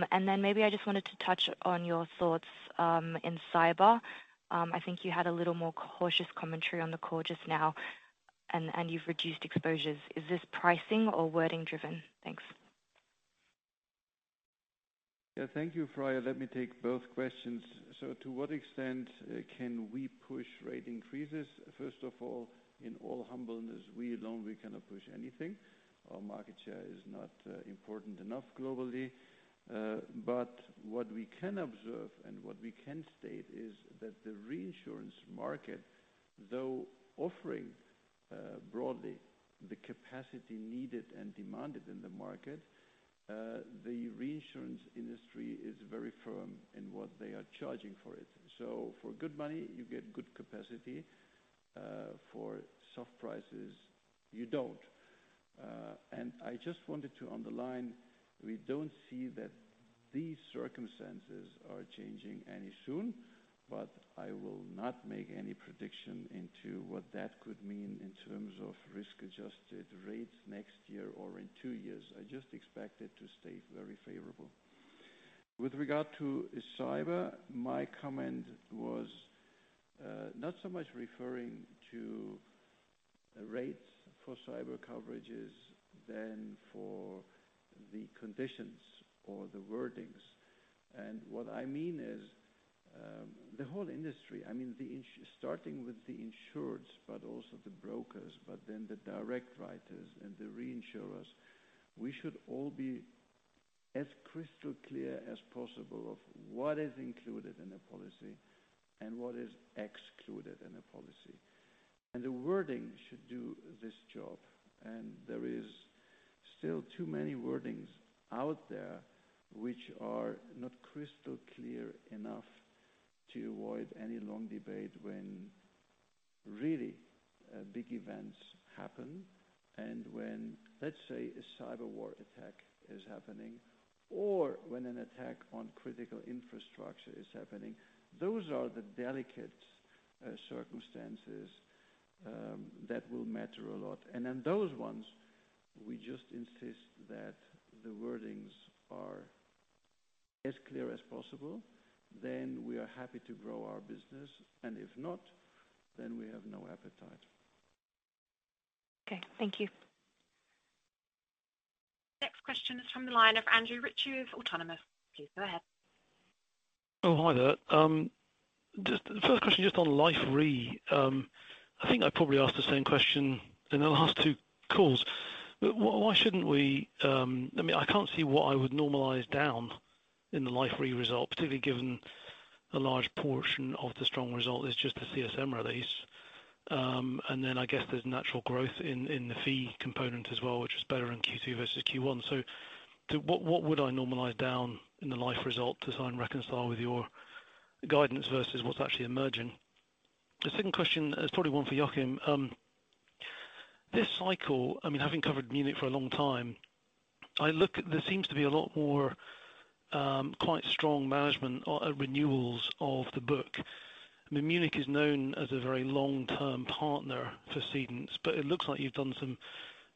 Maybe I just wanted to touch on your thoughts, in Cyber. I think you had a little more cautious commentary on the call just now, and, and you've reduced exposures. Is this pricing or wording driven? Thanks. Yeah. Thank you, Freya. Let me take both questions. To what extent can we push rate increases? First of all, in all humbleness, we alone, we cannot push anything. Our market share is not important enough globally. What we can observe and what we can state is that the Reinsurance market, though offering broadly the capacity needed and demanded in the market, the Reinsurance industry is very firm in what they are charging for it. For good money, you get good capacity, for soft prices, you don't. I just wanted to underline, we don't see that these circumstances are changing any soon, but I will not make any prediction into what that could mean in terms of risk-adjusted rates next year or in two years. I just expect it to stay very favorable. With regard to Cyber, my comment was not so much referring to the rates for Cyber coverages than for the conditions or the wordings. What I mean is, the whole industry, I mean, starting with the insureds, but also the brokers, but then the direct writers and the reinsurers, we should all be as crystal clear as possible of what is included in a policy and what is excluded in a policy. The wording should do this job, and there is still too many wordings out there which are not crystal clear enough to avoid any long debate when really, big events happen and when, let's say, a cyberwar attack is happening, or when an attack on critical infrastructure is happening. Those are the delicate circumstances that will matter a lot. In those ones, we just insist that the wordings are as clear as possible, then we are happy to grow our business, and if not, then we have no appetite. Okay, thank you. Next question is from the line of Andrew Ritchie of Autonomous. Please go ahead. Oh, hi there. Just the first question, just on Life Re. I think I probably asked the same question in the last two calls, but why shouldn't we, I mean, I can't see what I would normalize down in the Life Re result, particularly given a large portion of the strong result is just the CSM release. Then I guess there's natural growth in, in the fee component as well, which is better in Q2 versus Q1. What, what would I normalize down in the Life result to try and reconcile with your guidance versus what's actually emerging? The second question is probably one for Joachim. This cycle, I mean, having covered Munich for a long time, there seems to be a lot more quite strong management on renewals of the book. I mean, Munich is known as a very long-term partner for cedants. It looks like you've done some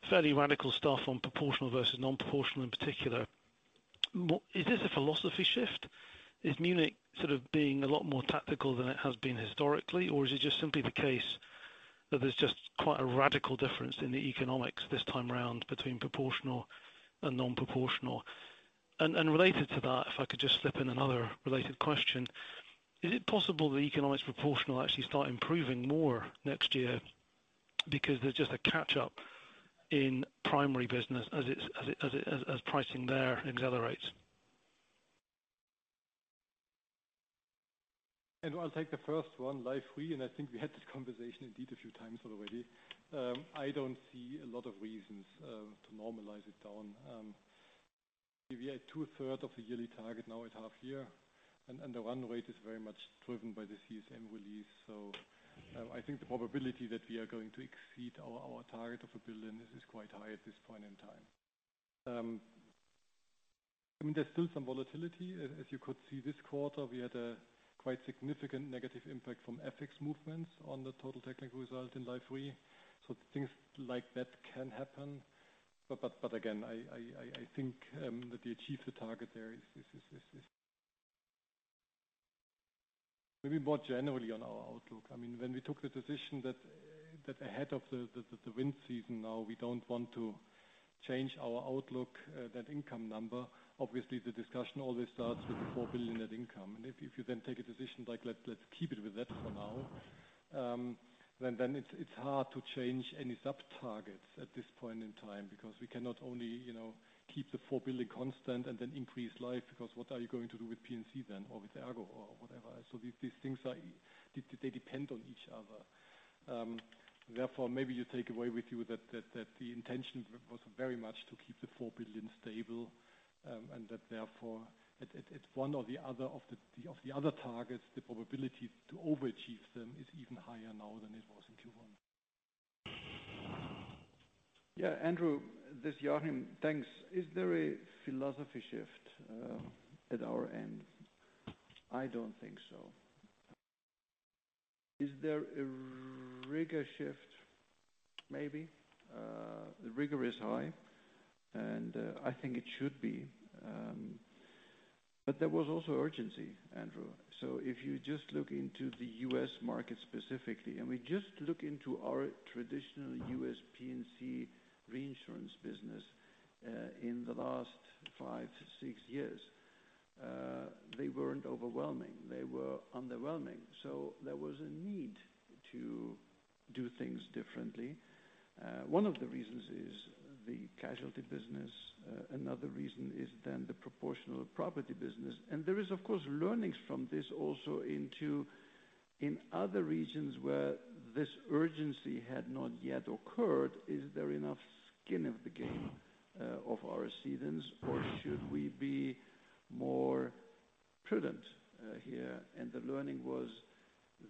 fairly radical stuff on proportional versus non-proportional in particular. Is this a philosophy shift? Is Munich sort of being a lot more tactical than it has been historically, or is it just simply the case that there's just quite a radical difference in the economics this time around between proportional and non-proportional? Related to that, if I could just slip in another related question: Is it possible the economics proportional actually start improving more next year because there's just a catch-up in primary business as pricing there accelerates? I'll take the first one, Life Re, and I think we had this conversation indeed a few times already. I don't see a lot of reasons to normalize it down. We are at 2/3 of the yearly target now at half year, and the run rate is very much driven by the CSM release. I think the probability that we are going to exceed our target of 1 billion is quite high at this point in time. I mean, there's still some volatility. As you could see this quarter, we had a quite significant negative impact from FX movements on the total technical result in Life Re. Things like that can happen, but again, I think that we achieve the target there is maybe more generally on our outlook. I mean, when we took the decision that ahead of the wind season, now we don't want to change our outlook, that income number. Obviously, the discussion always starts with the 4 billion net income. If you then take a decision like let's keep it with that for now, then it's hard to change any sub targets at this point in time, because we cannot only, you know, keep the 4 billion constant and then increase life, because what are you going to do with P&C then, or with ERGO or whatever? These things are. They depend on each other. Maybe you take away with you that, that, that the intention was very much to keep the 4 billion stable, and that therefore, at, at one or the other of the, of the other targets, the probability to overachieve them is even higher now than it was in Q1. Yeah, Andrew, this is Joachim. Thanks. Is there a philosophy shift at our end? I don't think so. Is there a rigor shift? Maybe. The rigor is high, and I think it should be. There was also urgency, Andrew. If you just look into the U.S. market specifically, and we just look into our traditional U.S. P&C Reinsurance business, in the last 5 years-6 years, they weren't overwhelming. They were underwhelming, so there was a need to do things differently. One of the reasons is the casualty business. Another reason is then the proportional property business. There is, of course, learnings from this also into, in other regions where this urgency had not yet occurred, is there enough skin in the game of our cedants, or should we be more prudent, here? The learning was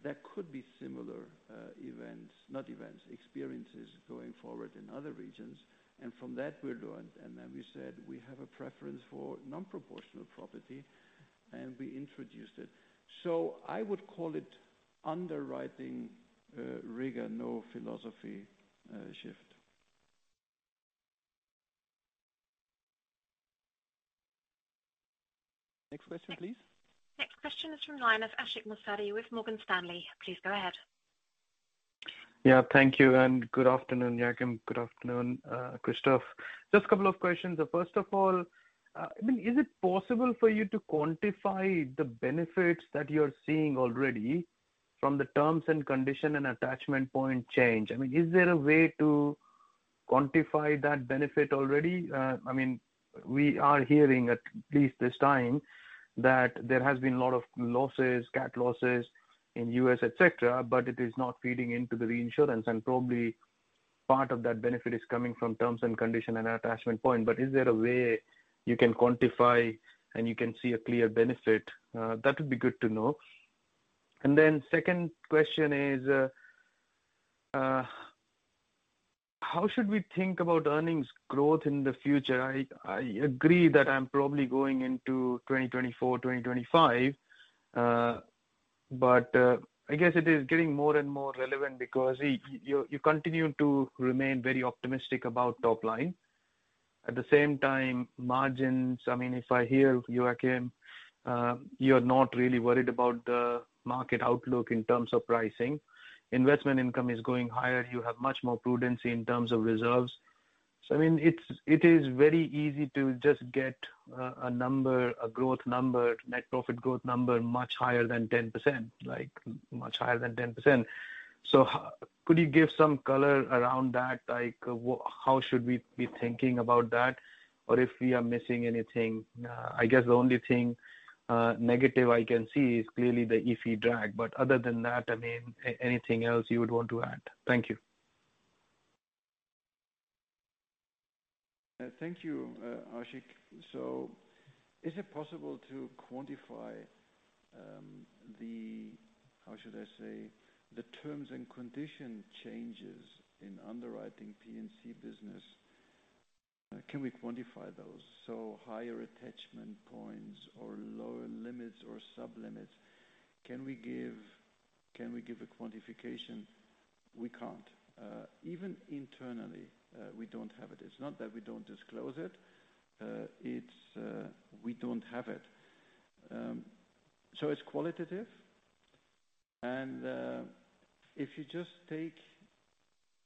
there could be similar events, not events, experiences going forward in other regions. From that, we learned, and then we said, we have a preference for non-proportional property, and we introduced it. I would call it underwriting rigor, no philosophy shift. Next question, please. Next question is from the line of Ashik Musaddi with Morgan Stanley. Please go ahead. Thank you, good afternoon, Joachim. Good afternoon, Christoph. Just a couple of questions. First of all, I mean, is it possible for you to quantify the benefits that you're seeing already from the terms and condition and attachment point change? I mean, is there a way to quantify that benefit already? I mean, we are hearing, at least this time, that there has been a lot of losses, cat losses in U.S., et cetera, it is not feeding into the reinsurance, probably part of that benefit is coming from terms and condition and attachment point. Is there a way you can quantify and you can see a clear benefit? That would be good to know. Second question is, how should we think about earnings growth in the future? I, I agree that I'm probably going into 2024, 2025. I guess it is getting more and more relevant because you, you continue to remain very optimistic about top line. At the same time, margins, I mean, if I hear you, Joachim, you're not really worried about the market outlook in terms of pricing. Investment income is going higher. You have much more prudence in terms of reserves. I mean, it's, it is very easy to just get a number, a growth number, net profit growth number, much higher than 10%, like much higher than 10%. How could you give some color around that? Like, how should we be thinking about that? If we are missing anything, I guess the only thing negative I can see is clearly the IFRS drag, but other than that, I mean, anything else you would want to add? Thank you. Thank you, Ashik. Is it possible to quantify the, how should I say, the terms and condition changes in underwriting P&C business? Can we quantify those? Higher attachment points or lower limits or sublimits, can we give, can we give a quantification? We can't. Even internally, we don't have it. It's not that we don't disclose it, it's, we don't have it. It's qualitative, and, if you just take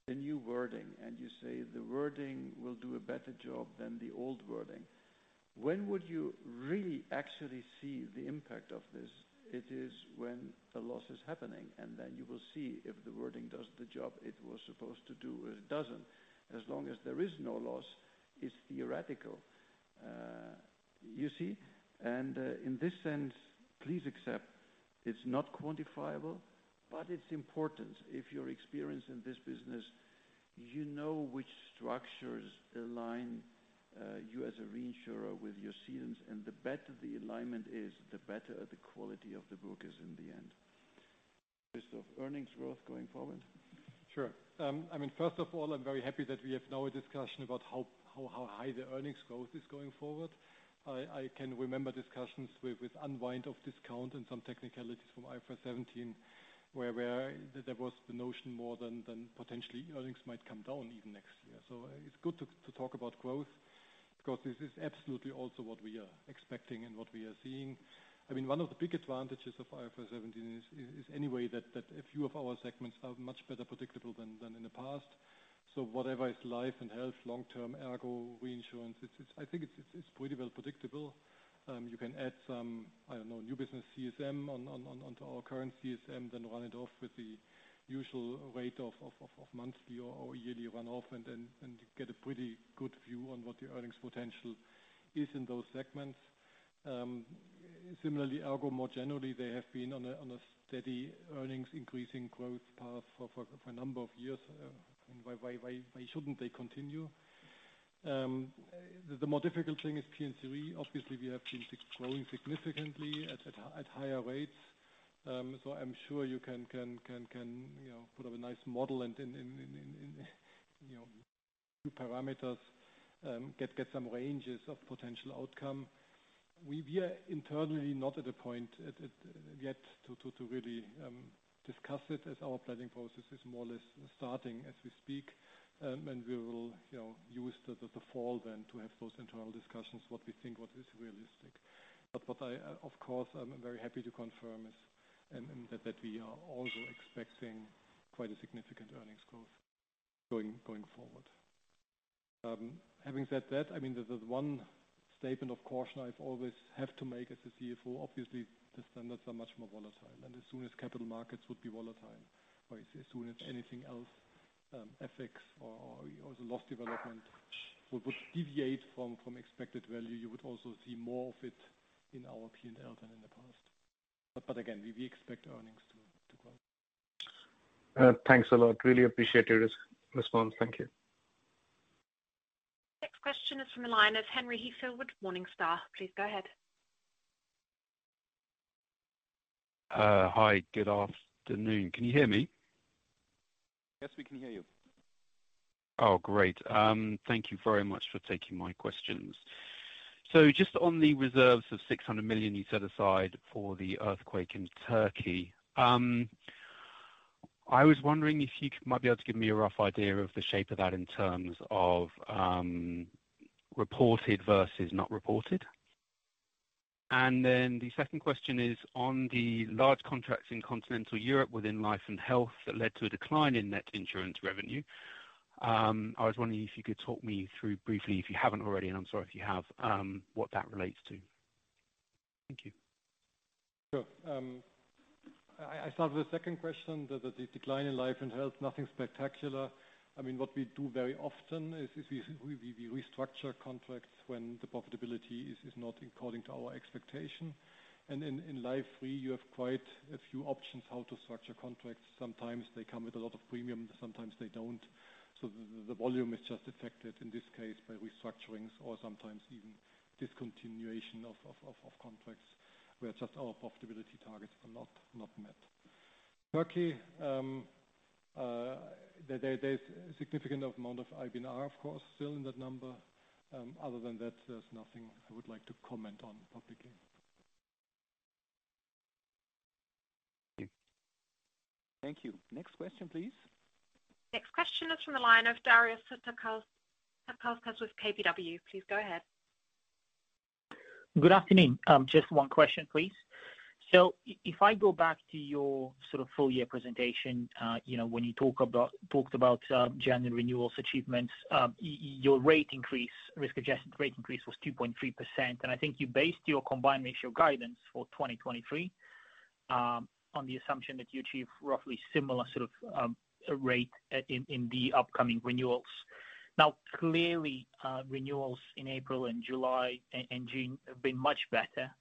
the new wording and you say the wording will do a better job than the old wording, when would you really actually see the impact of this? It is when the loss is happening, and then you will see if the wording does the job it was supposed to do or it doesn't. As long as there is no loss, it's theoretical. You see, and, in this sense, please accept it's not quantifiable, but it's important. If you're experienced in this business, you know which structures align, you as a reinsurer with your cedants, and the better the alignment is, the better the quality of the book is in the end. Christoph, earnings growth going forward? Sure. I mean, first of all, I'm very happy that we have now a discussion about how, how, how high the earnings growth is going forward. I, I can remember discussions with, with unwind of discount and some technicalities from IFRS 17, where, where there was the notion more than, than potentially earnings might come down even next year. It's good to, to talk about growth because this is absolutely also what we are expecting and what we are seeing. I mean, one of the big advantages of IFRS 17 is, is anyway, that, that a few of our segments are much better predictable than, than in the past. Whatever is life and health, long-term, ERGO, Reinsurance, it's, it's. I think it's, it's pretty well predictable. You can add some, I don't know, new business CSM on, onto our current CSM, then run it off with the usual rate of, of, monthly or, or yearly run off, and then, and get a pretty good view on what the earnings potential is in those segments. Similarly, ERGO, more generally, they have been on a, on a steady earnings increasing growth path for, for a number of years. Why, why, why shouldn't they continue? The more difficult thing is P&C, obviously, we have been growing significantly at, at, at higher rates. I'm sure you can, can, can, can, you know, put up a nice model and then, and, and, and, you know, parameters, get, get some ranges of potential outcome. We, we are internally not at a point yet to really discuss it as our planning process is more or less starting as we speak. We will, you know, use the fall then to have those internal discussions, what we think, what is realistic. What I, of course, I'm very happy to confirm is that we are also expecting quite a significant earnings growth going forward. Having said that, I mean, there's one statement of caution I've always have to make as a CFO. Obviously, the standards are much more volatile, and as soon as capital markets would be volatile, or as soon as anything else, ethics or the loss development would deviate from expected value, you would also see more of it in our P&L than in the past. But again, we, we expect earnings to, to grow. Thanks a lot. Really appreciate your response. Thank you. Next question is from the line of Henry Heathfield with Morningstar. Please go ahead. Hi, good afternoon. Can you hear me? Yes, we can hear you. Oh, great. Thank you very much for taking my questions. Just on the reserves of 600 million you set aside for the earthquake in Turkey? I was wondering if you might be able to give me a rough idea of the shape of that in terms of, reported versus not reported? The second question is on the large contracts in continental Europe within life and health, that led to a decline in net insurance revenue. I was wondering if you could talk me through briefly, if you haven't already, and I'm sorry if you have, what that relates to. Thank you. Sure. I start with the second question, that the decline in life and health, nothing spectacular. I mean, what we do very often is we restructure contracts when the profitability is not according to our expectation. In life, we have quite a few options how to structure contracts. Sometimes they come with a lot of premium, sometimes they don't. The volume is just affected, in this case, by restructurings or sometimes even discontinuation of contracts, where just our profitability targets are not met. Turkey, there's significant amount of IBNR, of course, still in that number. Other than that, there's nothing I would like to comment on publicly. Thank you. Thank you. Next question, please. Next question is from the line of Darius Satkauskas with KBW. Please go ahead. Good afternoon. Just one question, please. So if I go back to your sort of full year presentation, you know, when you talked about January renewals achievements, your rate increase, risk-adjusted rate increase was 2.3%. I think you based your combined ratio guidance for 2023 on the assumption that you achieve roughly similar sort of rate in the upcoming renewals. Clearly, renewals in April and July and June have been much better.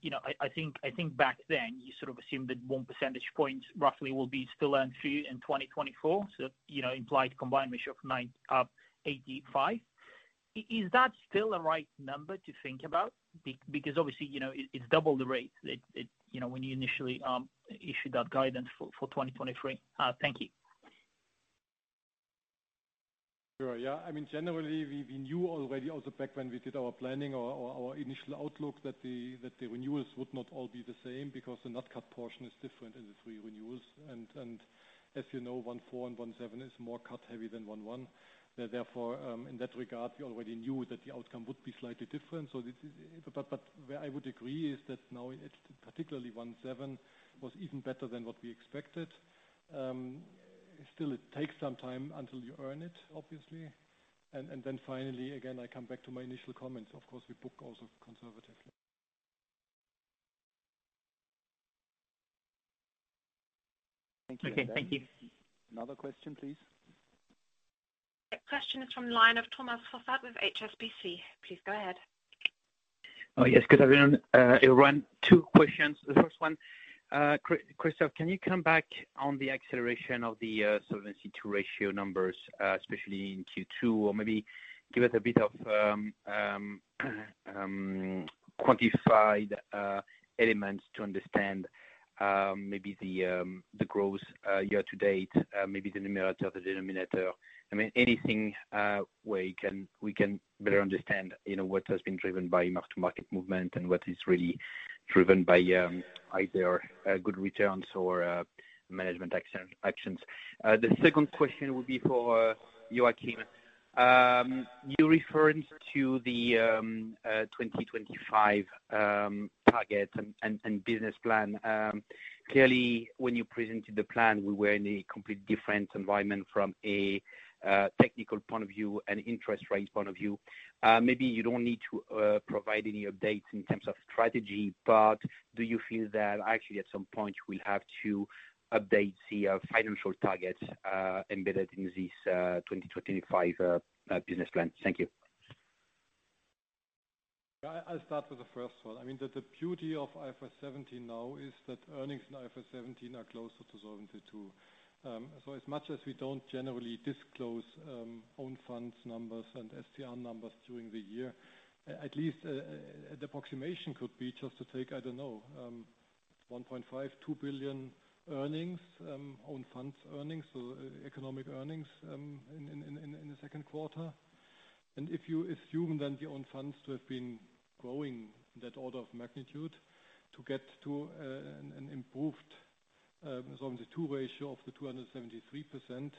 You know, I, I think, I think back then, you sort of assumed that 1 percentage point roughly will be still earned through in 2024. You know, implied combined ratio of 985. Is that still a right number to think about? Because obviously, you know, it's double the rate that, you know, when you initially issued that guidance for 2023. Thank you. Sure. Yeah. I mean, generally, we, we knew already also back when we did our planning or our initial outlook, that the renewals would not all be the same, because the NatCat portion is different in the three renewals. As you know, 1/4 and 1/7 is more cut heavy than 1/1. In that regard, we already knew that the outcome would be slightly different. Where I would agree is that now particularly 1/7, was even better than what we expected. Still, it takes some time until you earn it, obviously. Then finally, again, I come back to my initial comments. Of course, we book also conservatively. Thank you. Another question, please. Next question is from line of Thomas Fossard with HSBC. Please go ahead. Oh, yes. Good afternoon, everyone. Two questions. The first one, Christoph, can you come back on the acceleration of the Solvency II ratio numbers, especially in Q2, or maybe give us a bit of quantified elements to understand maybe the growth year-to-date, maybe the numerator, the denominator. I mean, anything where you can, we can better understand, you know, what has been driven by mark-to-market movement and what is really driven by either good returns or management action, actions. The second question would be for Joachim. You referred to the 2025 target and business plan. Clearly, when you presented the plan, we were in a complete different environment from a technical point of view and interest rate point of view. Maybe you don't need to provide any updates in terms of strategy, but do you feel that actually, at some point, we'll have to update the financial targets embedded in this 2025 business plan? Thank you. I, I'll start with the first one. I mean, the, the beauty of IFRS 17 now is that earnings in IFRS 17 are closer to Solvency II. As much as we don't generally disclose, own funds, numbers, and SCR numbers during the year, at least, the approximation could be just to take, I don't know, 1.5 billion-2 billion earnings, own funds earnings, so economic earnings, in, in, in, in, in the second quarter. If you assume then the own funds to have been growing that order of magnitude to get to an, an improved Solvency II ratio of the 273%,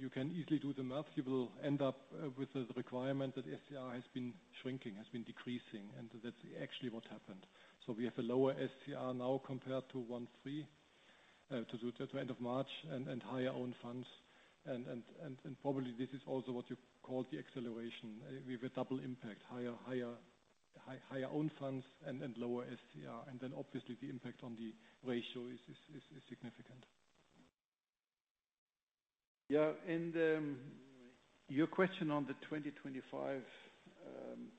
you can easily do the math. You will end up with the requirement that SCR has been shrinking, has been decreasing, and that's actually what happened. We have a lower SCR now compared to 1.3 to the end of March, and, and higher own funds. And, and, probably this is also what you call the acceleration. We have a double impact, higher, higher own funds and, and lower SCR. Then obviously the impact on the ratio is significant. Yeah, your question on the 2025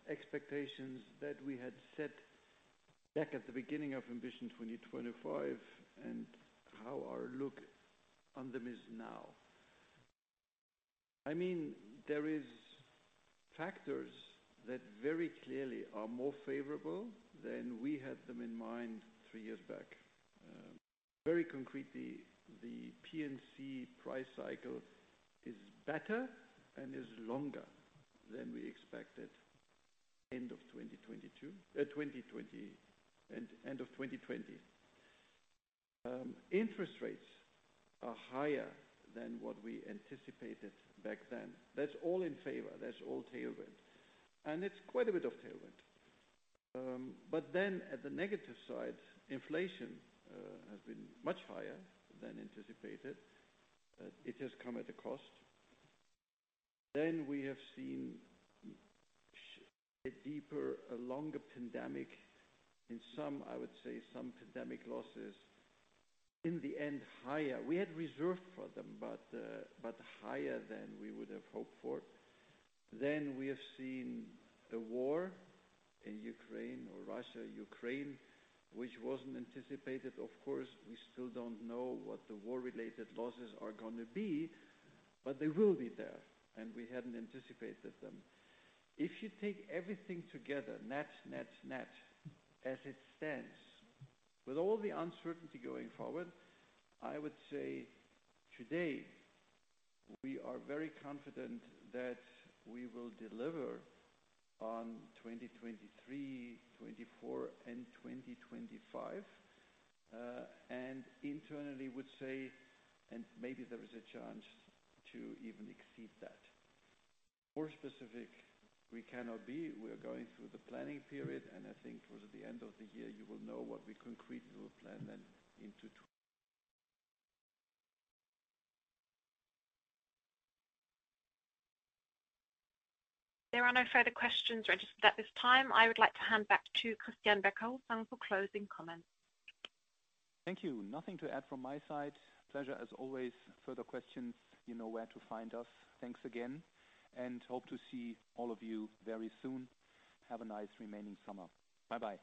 expectations that we had set back at the beginning of Ambition 2025 and how our look on them is now. I mean, there is factors that very clearly are more favorable than we had them in mind three years back. Very concretely, the P&C price cycle is better and is longer than we expected. End of 2022, 2020, end of 2020. Interest rates are higher than what we anticipated back then. That's all in favor. That's all tailwind, and it's quite a bit of tailwind. Then at the negative side, inflation has been much higher than anticipated. It has come at a cost. We have seen a deeper, a longer pandemic. In some, I would say some pandemic losses in the end, higher. We had reserved for them, but, but higher than we would have hoped for. We have seen a war in Ukraine or Russia, Ukraine, which wasn't anticipated. Of course, we still don't know what the war-related losses are gonna be, but they will be there, and we hadn't anticipated them. If you take everything together, net, net, net, as it stands, with all the uncertainty going forward, I would say today we are very confident that we will deliver on 2023, 2024 and 2025. Internally would say, and maybe there is a chance to even exceed that. More specific, we cannot be. We are going through the planning period, and I think towards the end of the year, you will know what we concretely will plan then into 2025. There are no further questions registered at this time. I would like to hand back to Christian Becker-Hussong for closing comments. Thank you. Nothing to add from my side. Pleasure as always. Further questions, you know where to find us. Thanks again, and hope to see all of you very soon. Have a nice remaining summer. Bye-bye.